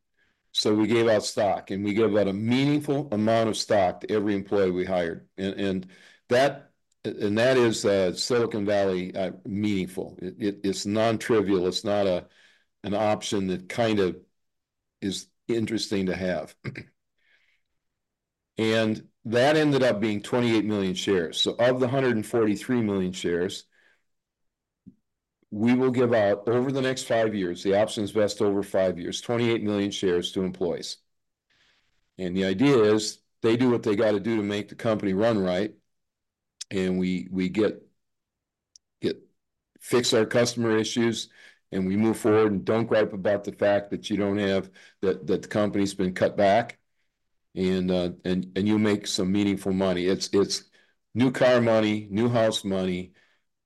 So we gave out stock, and we gave out a meaningful amount of stock to every employee we hired. And that is Silicon Valley meaningful. It's non-trivial. It's not an option that kind of is interesting to have. And that ended up being 28 million shares. So of the 143 million shares, we will give out over the next five years, the options vest over five years, 28 million shares to employees. And the idea is they do what they got to do to make the company run right, and we fix our customer issues, and we move forward and don't gripe about the fact that the company's been cut back, and you make some meaningful money. It's new car money, new house money,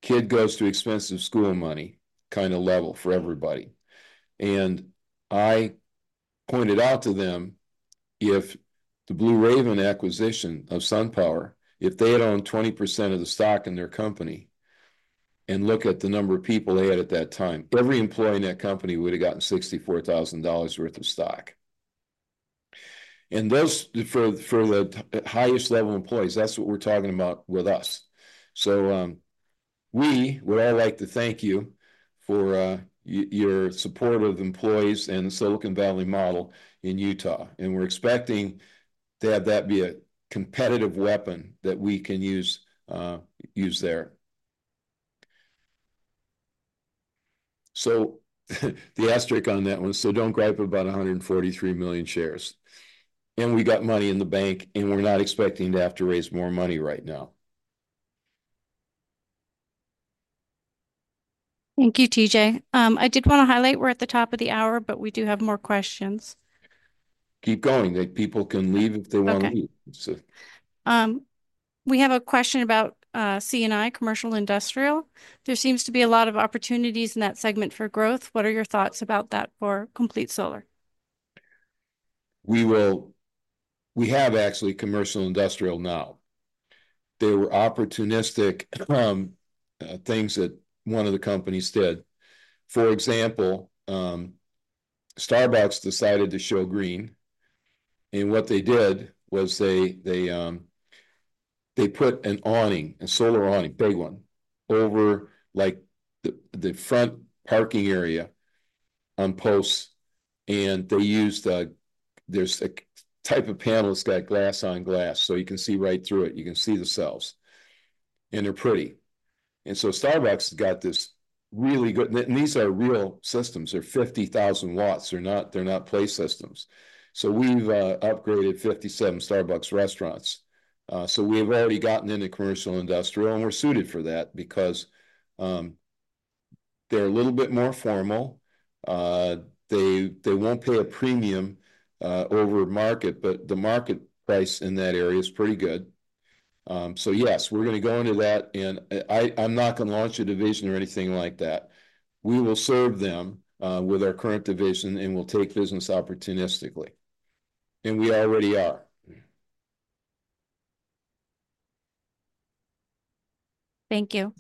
kid goes to expensive school money kind of level for everybody. I pointed out to them if the Blue Raven acquisition of SunPower, if they had owned 20% of the stock in their company and looked at the number of people they had at that time, every employee in that company would have gotten $64,000 worth of stock. And for the highest level employees, that's what we're talking about with us. So we would all like to thank you for your support of employees and the Silicon Valley model in Utah. And we're expecting to have that be a competitive weapon that we can use there. So the asterisk on that one, so don't gripe about 143 million shares. And we got money in the bank, and we're not expecting to have to raise more money right now. Thank you, TJ. I did want to highlight we're at the top of the hour, but we do have more questions. Keep going. People can leave if they want to leave. We have a question about C&I, commercial industrial. There seems to be a lot of opportunities in that segment for growth. What are your thoughts about that for Complete Solar? We have, actually, commercial industrial now. There were opportunistic things that one of the companies did. For example, Starbucks decided to show green, and what they did was they put an awning, a solar awning, big one, over the front parking area on posts, and they used a type of panel that's got glass on glass, so you can see right through it. You can see the cells, and they're pretty, and so Starbucks got this really good and these are real systems. They're 50,000 watts. They're not play systems, so we've upgraded 57 Starbucks restaurants. So we have already gotten into commercial industrial, and we're suited for that because they're a little bit more formal. They won't pay a premium over market, but the market price in that area is pretty good. So yes, we're going to go into that. And I'm not going to launch a division or anything like that. We will serve them with our current division, and we'll take business opportunistically. And we already are. Thank you.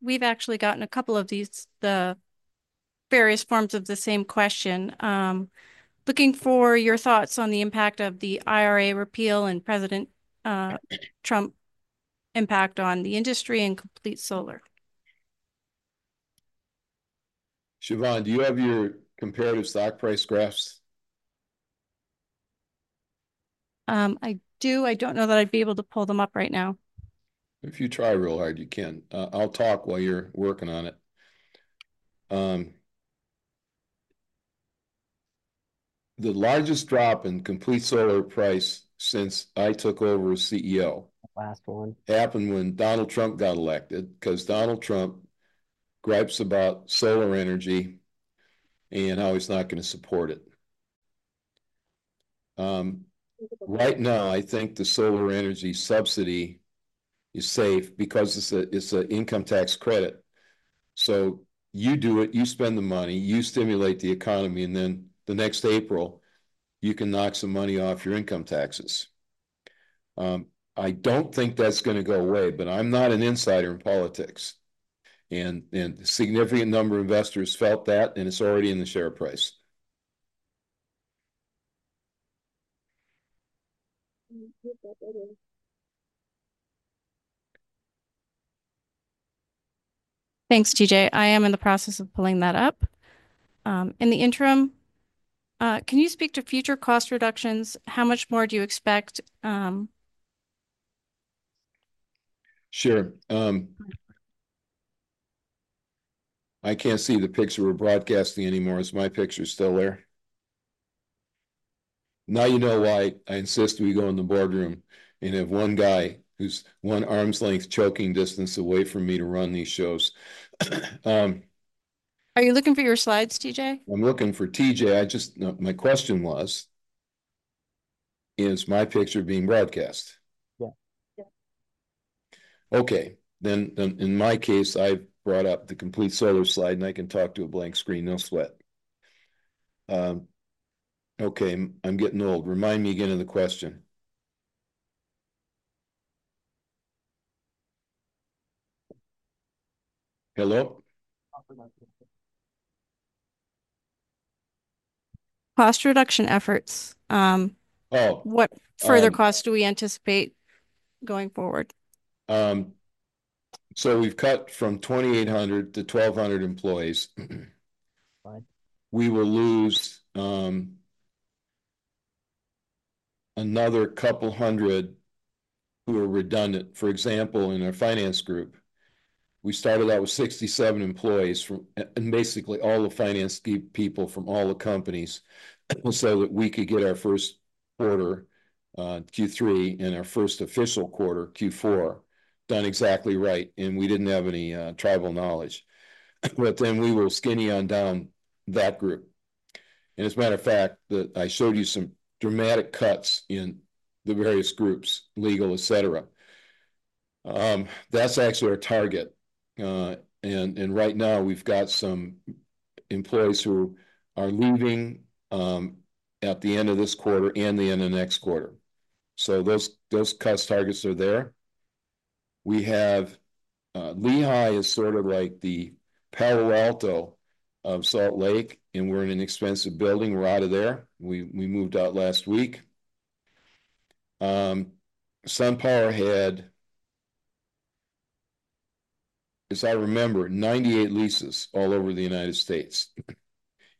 We've actually gotten a couple of these various forms of the same question. Looking for your thoughts on the impact of the IRA repeal and President Trump impact on the industry and Complete Solaria. Siobhan, do you have your comparative stock price graphs? I do. I don't know that I'd be able to pull them up right now. If you try real hard, you can. I'll talk while you're working on it. The largest drop in Complete Solaria price since I took over as CEO happened when Donald Trump got elected because Donald Trump gripes about solar energy and how he's not going to support it. Right now, I think the solar energy subsidy is safe because it's an income tax credit. So you do it. You spend the money. You stimulate the economy. And then the next April, you can knock some money off your income taxes. I don't think that's going to go away, but I'm not an insider in politics. And a significant number of investors felt that, and it's already in the share price. Thanks, T.J. I am in the process of pulling that up. In the interim, can you speak to future cost reductions? How much more do you expect? Sure. I can't see the picture we're broadcasting anymore. Is my picture still there? Now you know why I insist we go in the boardroom and have one guy who's one arm's length choking distance away from me to run these shows. Are you looking for your slides, TJ? I'm looking for TJ. My question was, is my picture being broadcast? Yeah. Okay. Then in my case, I've brought up the Complete Solaria slide, and I can talk to a blank screen. No sweat. Okay. I'm getting old. Remind me again of the question. Hello? Cost reduction efforts. What further costs do we anticipate going forward? So we've cut from 2,800 to 1,200 employees. We will lose another couple hundred who are redundant. For example, in our finance group, we started out with 67 employees and basically all the finance people from all the companies so that we could get our first quarter, Q3, and our first official quarter, Q4, done exactly right. And we didn't have any tribal knowledge. But then we will skinny on down that group. And as a matter of fact, I showed you some dramatic cuts in the various groups, legal, etc. That's actually our target. And right now, we've got some employees who are leaving at the end of this quarter and the end of next quarter. So those cut targets are there. We have Lehi, which is sort of like the Palo Alto of Salt Lake City, and we're in an expensive building. We're out of there. We moved out last week. SunPower had, as I remember, 98 leases all over the United States,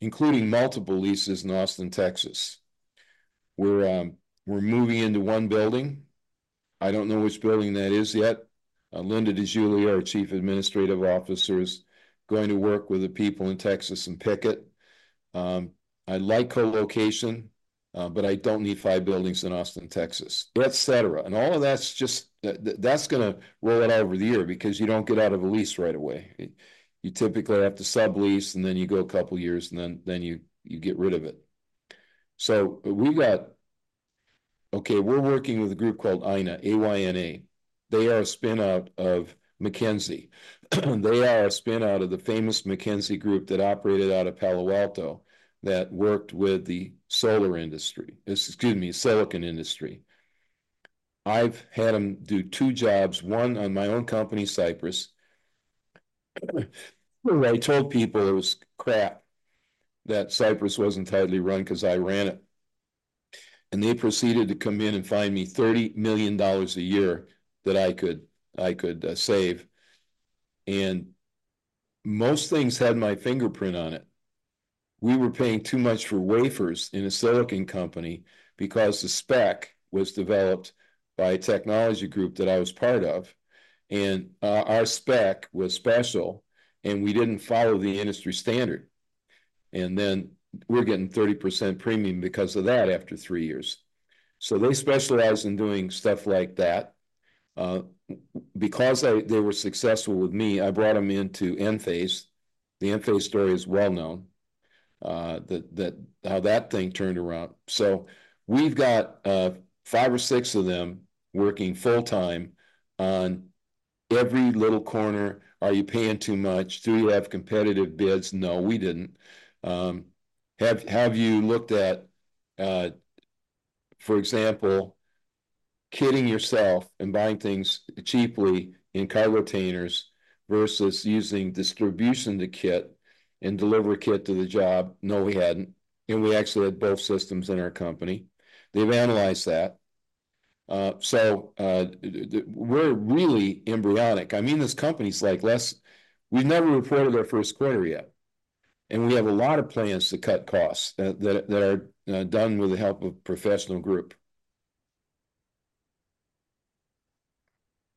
including multiple leases in Austin, Texas. We're moving into one building. I don't know which building that is yet. Linda DeJulio, our Chief Administrative Officer, is going to work with the people in Texas and pick it. I like co-location, but I don't need five buildings in Austin, Texas, etc., and all of that's just going to roll it out over the year because you don't get out of a lease right away. You typically have to sublease, and then you go a couple of years, and then you get rid of it, so okay, we're working with a group called Ayna, A-Y-N-A. They are a spinout of McKinsey. They are a spinout of the famous McKinsey group that operated out of Palo Alto that worked with the solar industry, excuse me, silicon industry. I've had them do two jobs, one on my own company, Cypress. I told people it was crap that Cypress wasn't tidily run because I ran it, and they proceeded to come in and find me $30 million a year that I could save. And most things had my fingerprint on it. We were paying too much for wafers in a silicon company because the spec was developed by a technology group that I was part of. And our spec was special, and we didn't follow the industry standard. And then we're getting 30% premium because of that after three years. So they specialized in doing stuff like that. Because they were successful with me, I brought them into Enphase. The Enphase story is well-known, how that thing turned around. So we've got five or six of them working full-time on every little corner. Are you paying too much? Do you have competitive bids? No, we didn't. Have you looked at, for example, kitting yourself and buying things cheaply in car retainers versus using distribution to kit and deliver kit to the job? No, we hadn't. And we actually had both systems in our company. They've analyzed that. So we're really embryonic. I mean, this company's like we've never reported our first quarter yet, and we have a lot of plans to cut costs that are done with the help of a professional group.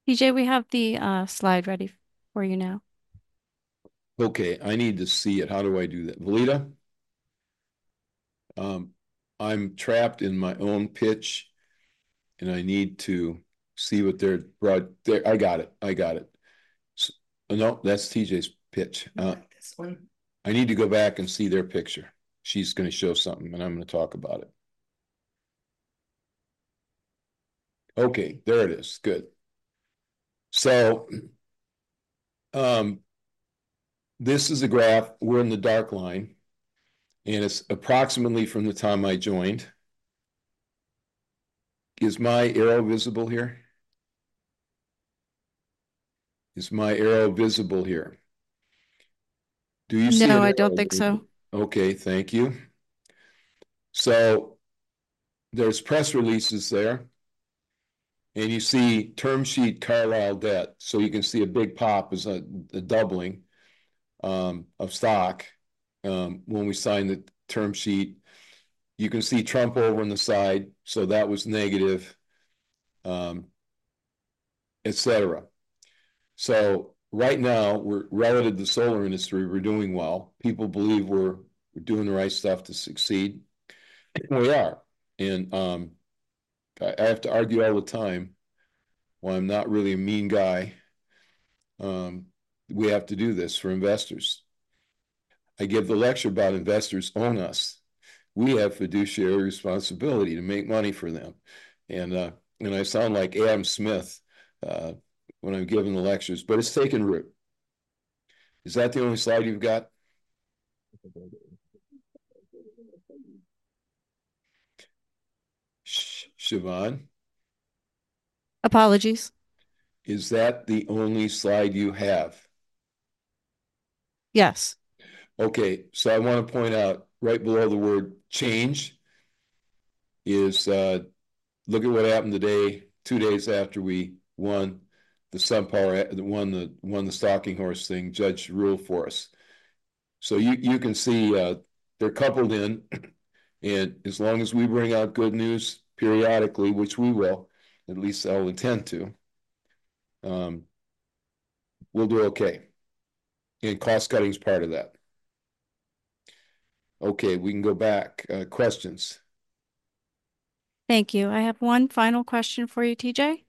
TJ, we have the slide ready for you now. Okay. I need to see it. How do I do that? Velita? I'm trapped in my own pitch, and I need to see what they're brought. I got it. I got it. No, that's TJ's pitch. I need to go back and see their picture. She's going to show something, and I'm going to talk about it. Okay. There it is. Good. So this is a graph. We're in the dark line, and it's approximately from the time I joined. Is my arrow visible here? Is my arrow visible here? Do you see? No, I don't think so. Okay. Thank you. So there's press releases there. And you see term sheet Carlyle debt. So you can see a big pop, a doubling of stock, when we signed the term sheet. You can see Trump over on the side. So that was negative, etc. So right now, relative to the solar industry, we're doing well. People believe we're doing the right stuff to succeed. We are. And I have to argue all the time. Well, I'm not really a mean guy. We have to do this for investors. I give the lecture about investors owing us. We have fiduciary responsibility to make money for them. And I sound like Adam Smith when I'm giving the lectures, but it's taken root. Is that the only slide you've got, Siobhan? Apologies. Is that the only slide you have? Yes. Okay. So I want to point out, right below the word change, is look at what happened today, two days after we won the SunPower stalking horse thing. Judge ruled for us. So you can see they're coupled in. And as long as we bring out good news periodically, which we will, at least I'll intend to, we'll do okay. And cost cutting is part of that. Okay. We can go back. Questions? Thank you. I have one final question for you, TJ.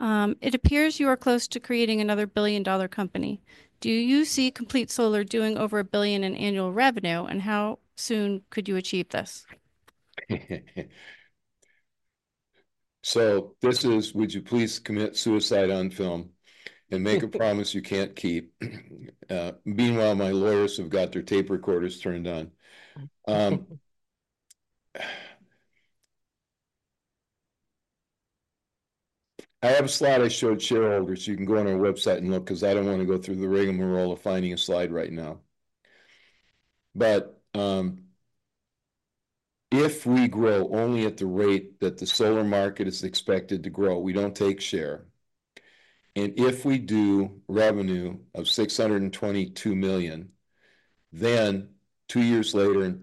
It appears you are close to creating another billion-dollar company. Do you see Complete Solaria doing over a billion in annual revenue, and how soon could you achieve this? So this is, would you please commit suicide on film and make a promise you can't keep? Meanwhile, my lawyers have got their tape recorders turned on. I have a slide I showed shareholders. You can go on our website and look because I don't want to go through the rigmarole of finding a slide right now, but if we grow only at the rate that the solar market is expected to grow, we don't take share, and if we do revenue of 622 million, then two years later,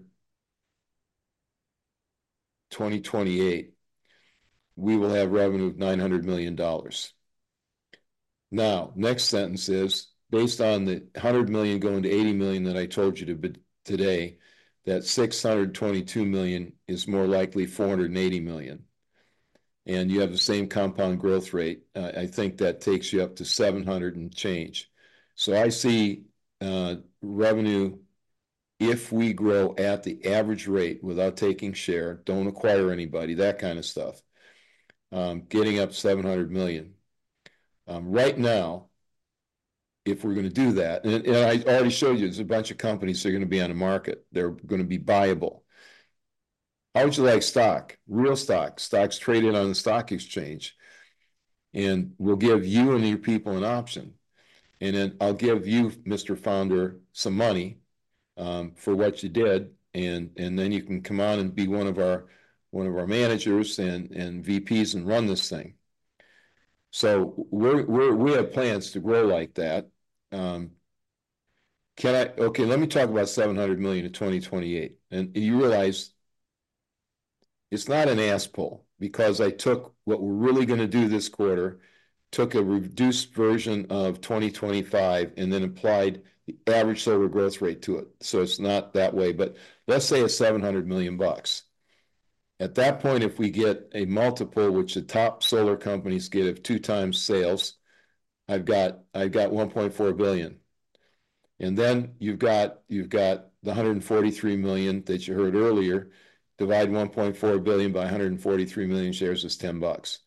2028, we will have revenue of $900 million. Now, next sentence is, based on the 100 million going to 80 million that I told you today, that 622 million is more likely 480 million, and you have the same compound growth rate. I think that takes you up to 700 and change, so I see revenue if we grow at the average rate without taking share, don't acquire anybody, that kind of stuff, getting up 700 million. Right now, if we're going to do that, and I already showed you, there's a bunch of companies that are going to be on the market. They're going to be buyable. How would you like stock, real stock, stocks traded on the stock exchange, and we'll give you and your people an option, and then I'll give you, Mr. Founder, some money for what you did, and then you can come on and be one of our managers and VPs and run this thing, so we have plans to grow like that. Okay. Let me talk about $700 million in 2028, and you realize it's not a stretch because I took what we're really going to do this quarter, took a reduced version of 2025, and then applied the average solar growth rate to it, so it's not that way, but let's say it's $700 million. At that point, if we get a multiple, which the top solar companies get of two times sales, I've got $1.4 billion. And then you've got the 143 million that you heard earlier. Divide $1.4 billion by 143 million shares is $10.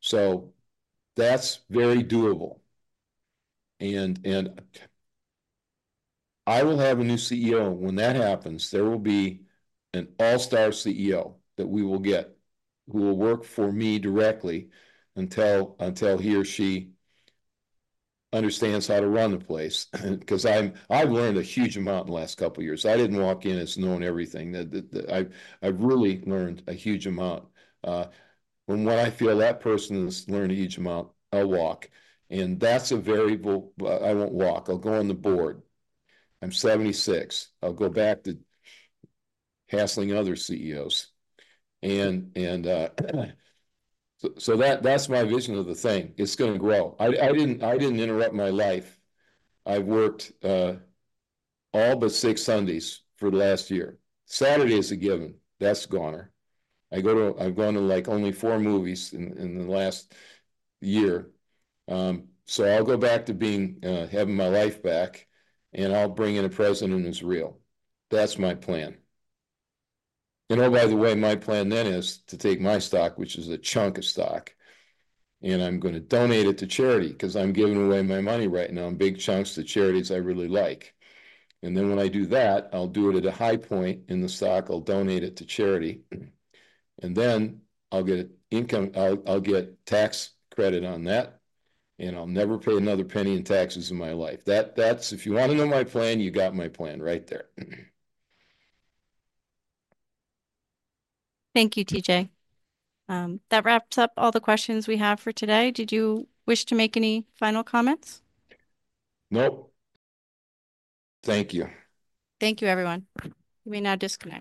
So that's very doable. And I will have a new CEO. When that happens, there will be an all-star CEO that we will get who will work for me directly until he or she understands how to run the place. Because I've learned a huge amount in the last couple of years. I didn't walk in as knowing everything. I've really learned a huge amount. When I feel that person has learned a huge amount, I'll walk. And that's a variable. I won't walk. I'll go on the board. I'm 76. I'll go back to hassling other CEOs. And so that's my vision of the thing. It's going to grow. I didn't interrupt my life. I've worked all but six Sundays for the last year. Saturday is a given. That's goner. I've gone to only four movies in the last year. So I'll go back to having my life back, and I'll bring in a president who's real. That's my plan. And oh, by the way, my plan then is to take my stock, which is a chunk of stock. And I'm going to donate it to charity because I'm giving away my money right now in big chunks to charities I really like. And then when I do that, I'll do it at a high point in the stock. I'll donate it to charity. And then I'll get tax credit on that. And I'll never pay another penny in taxes in my life. If you want to know my plan, you got my plan right there. Thank you, TJ. That wraps up all the questions we have for today. Did you wish to make any final comments? Nope. Thank you. Thank you, everyone. You may now disconnect.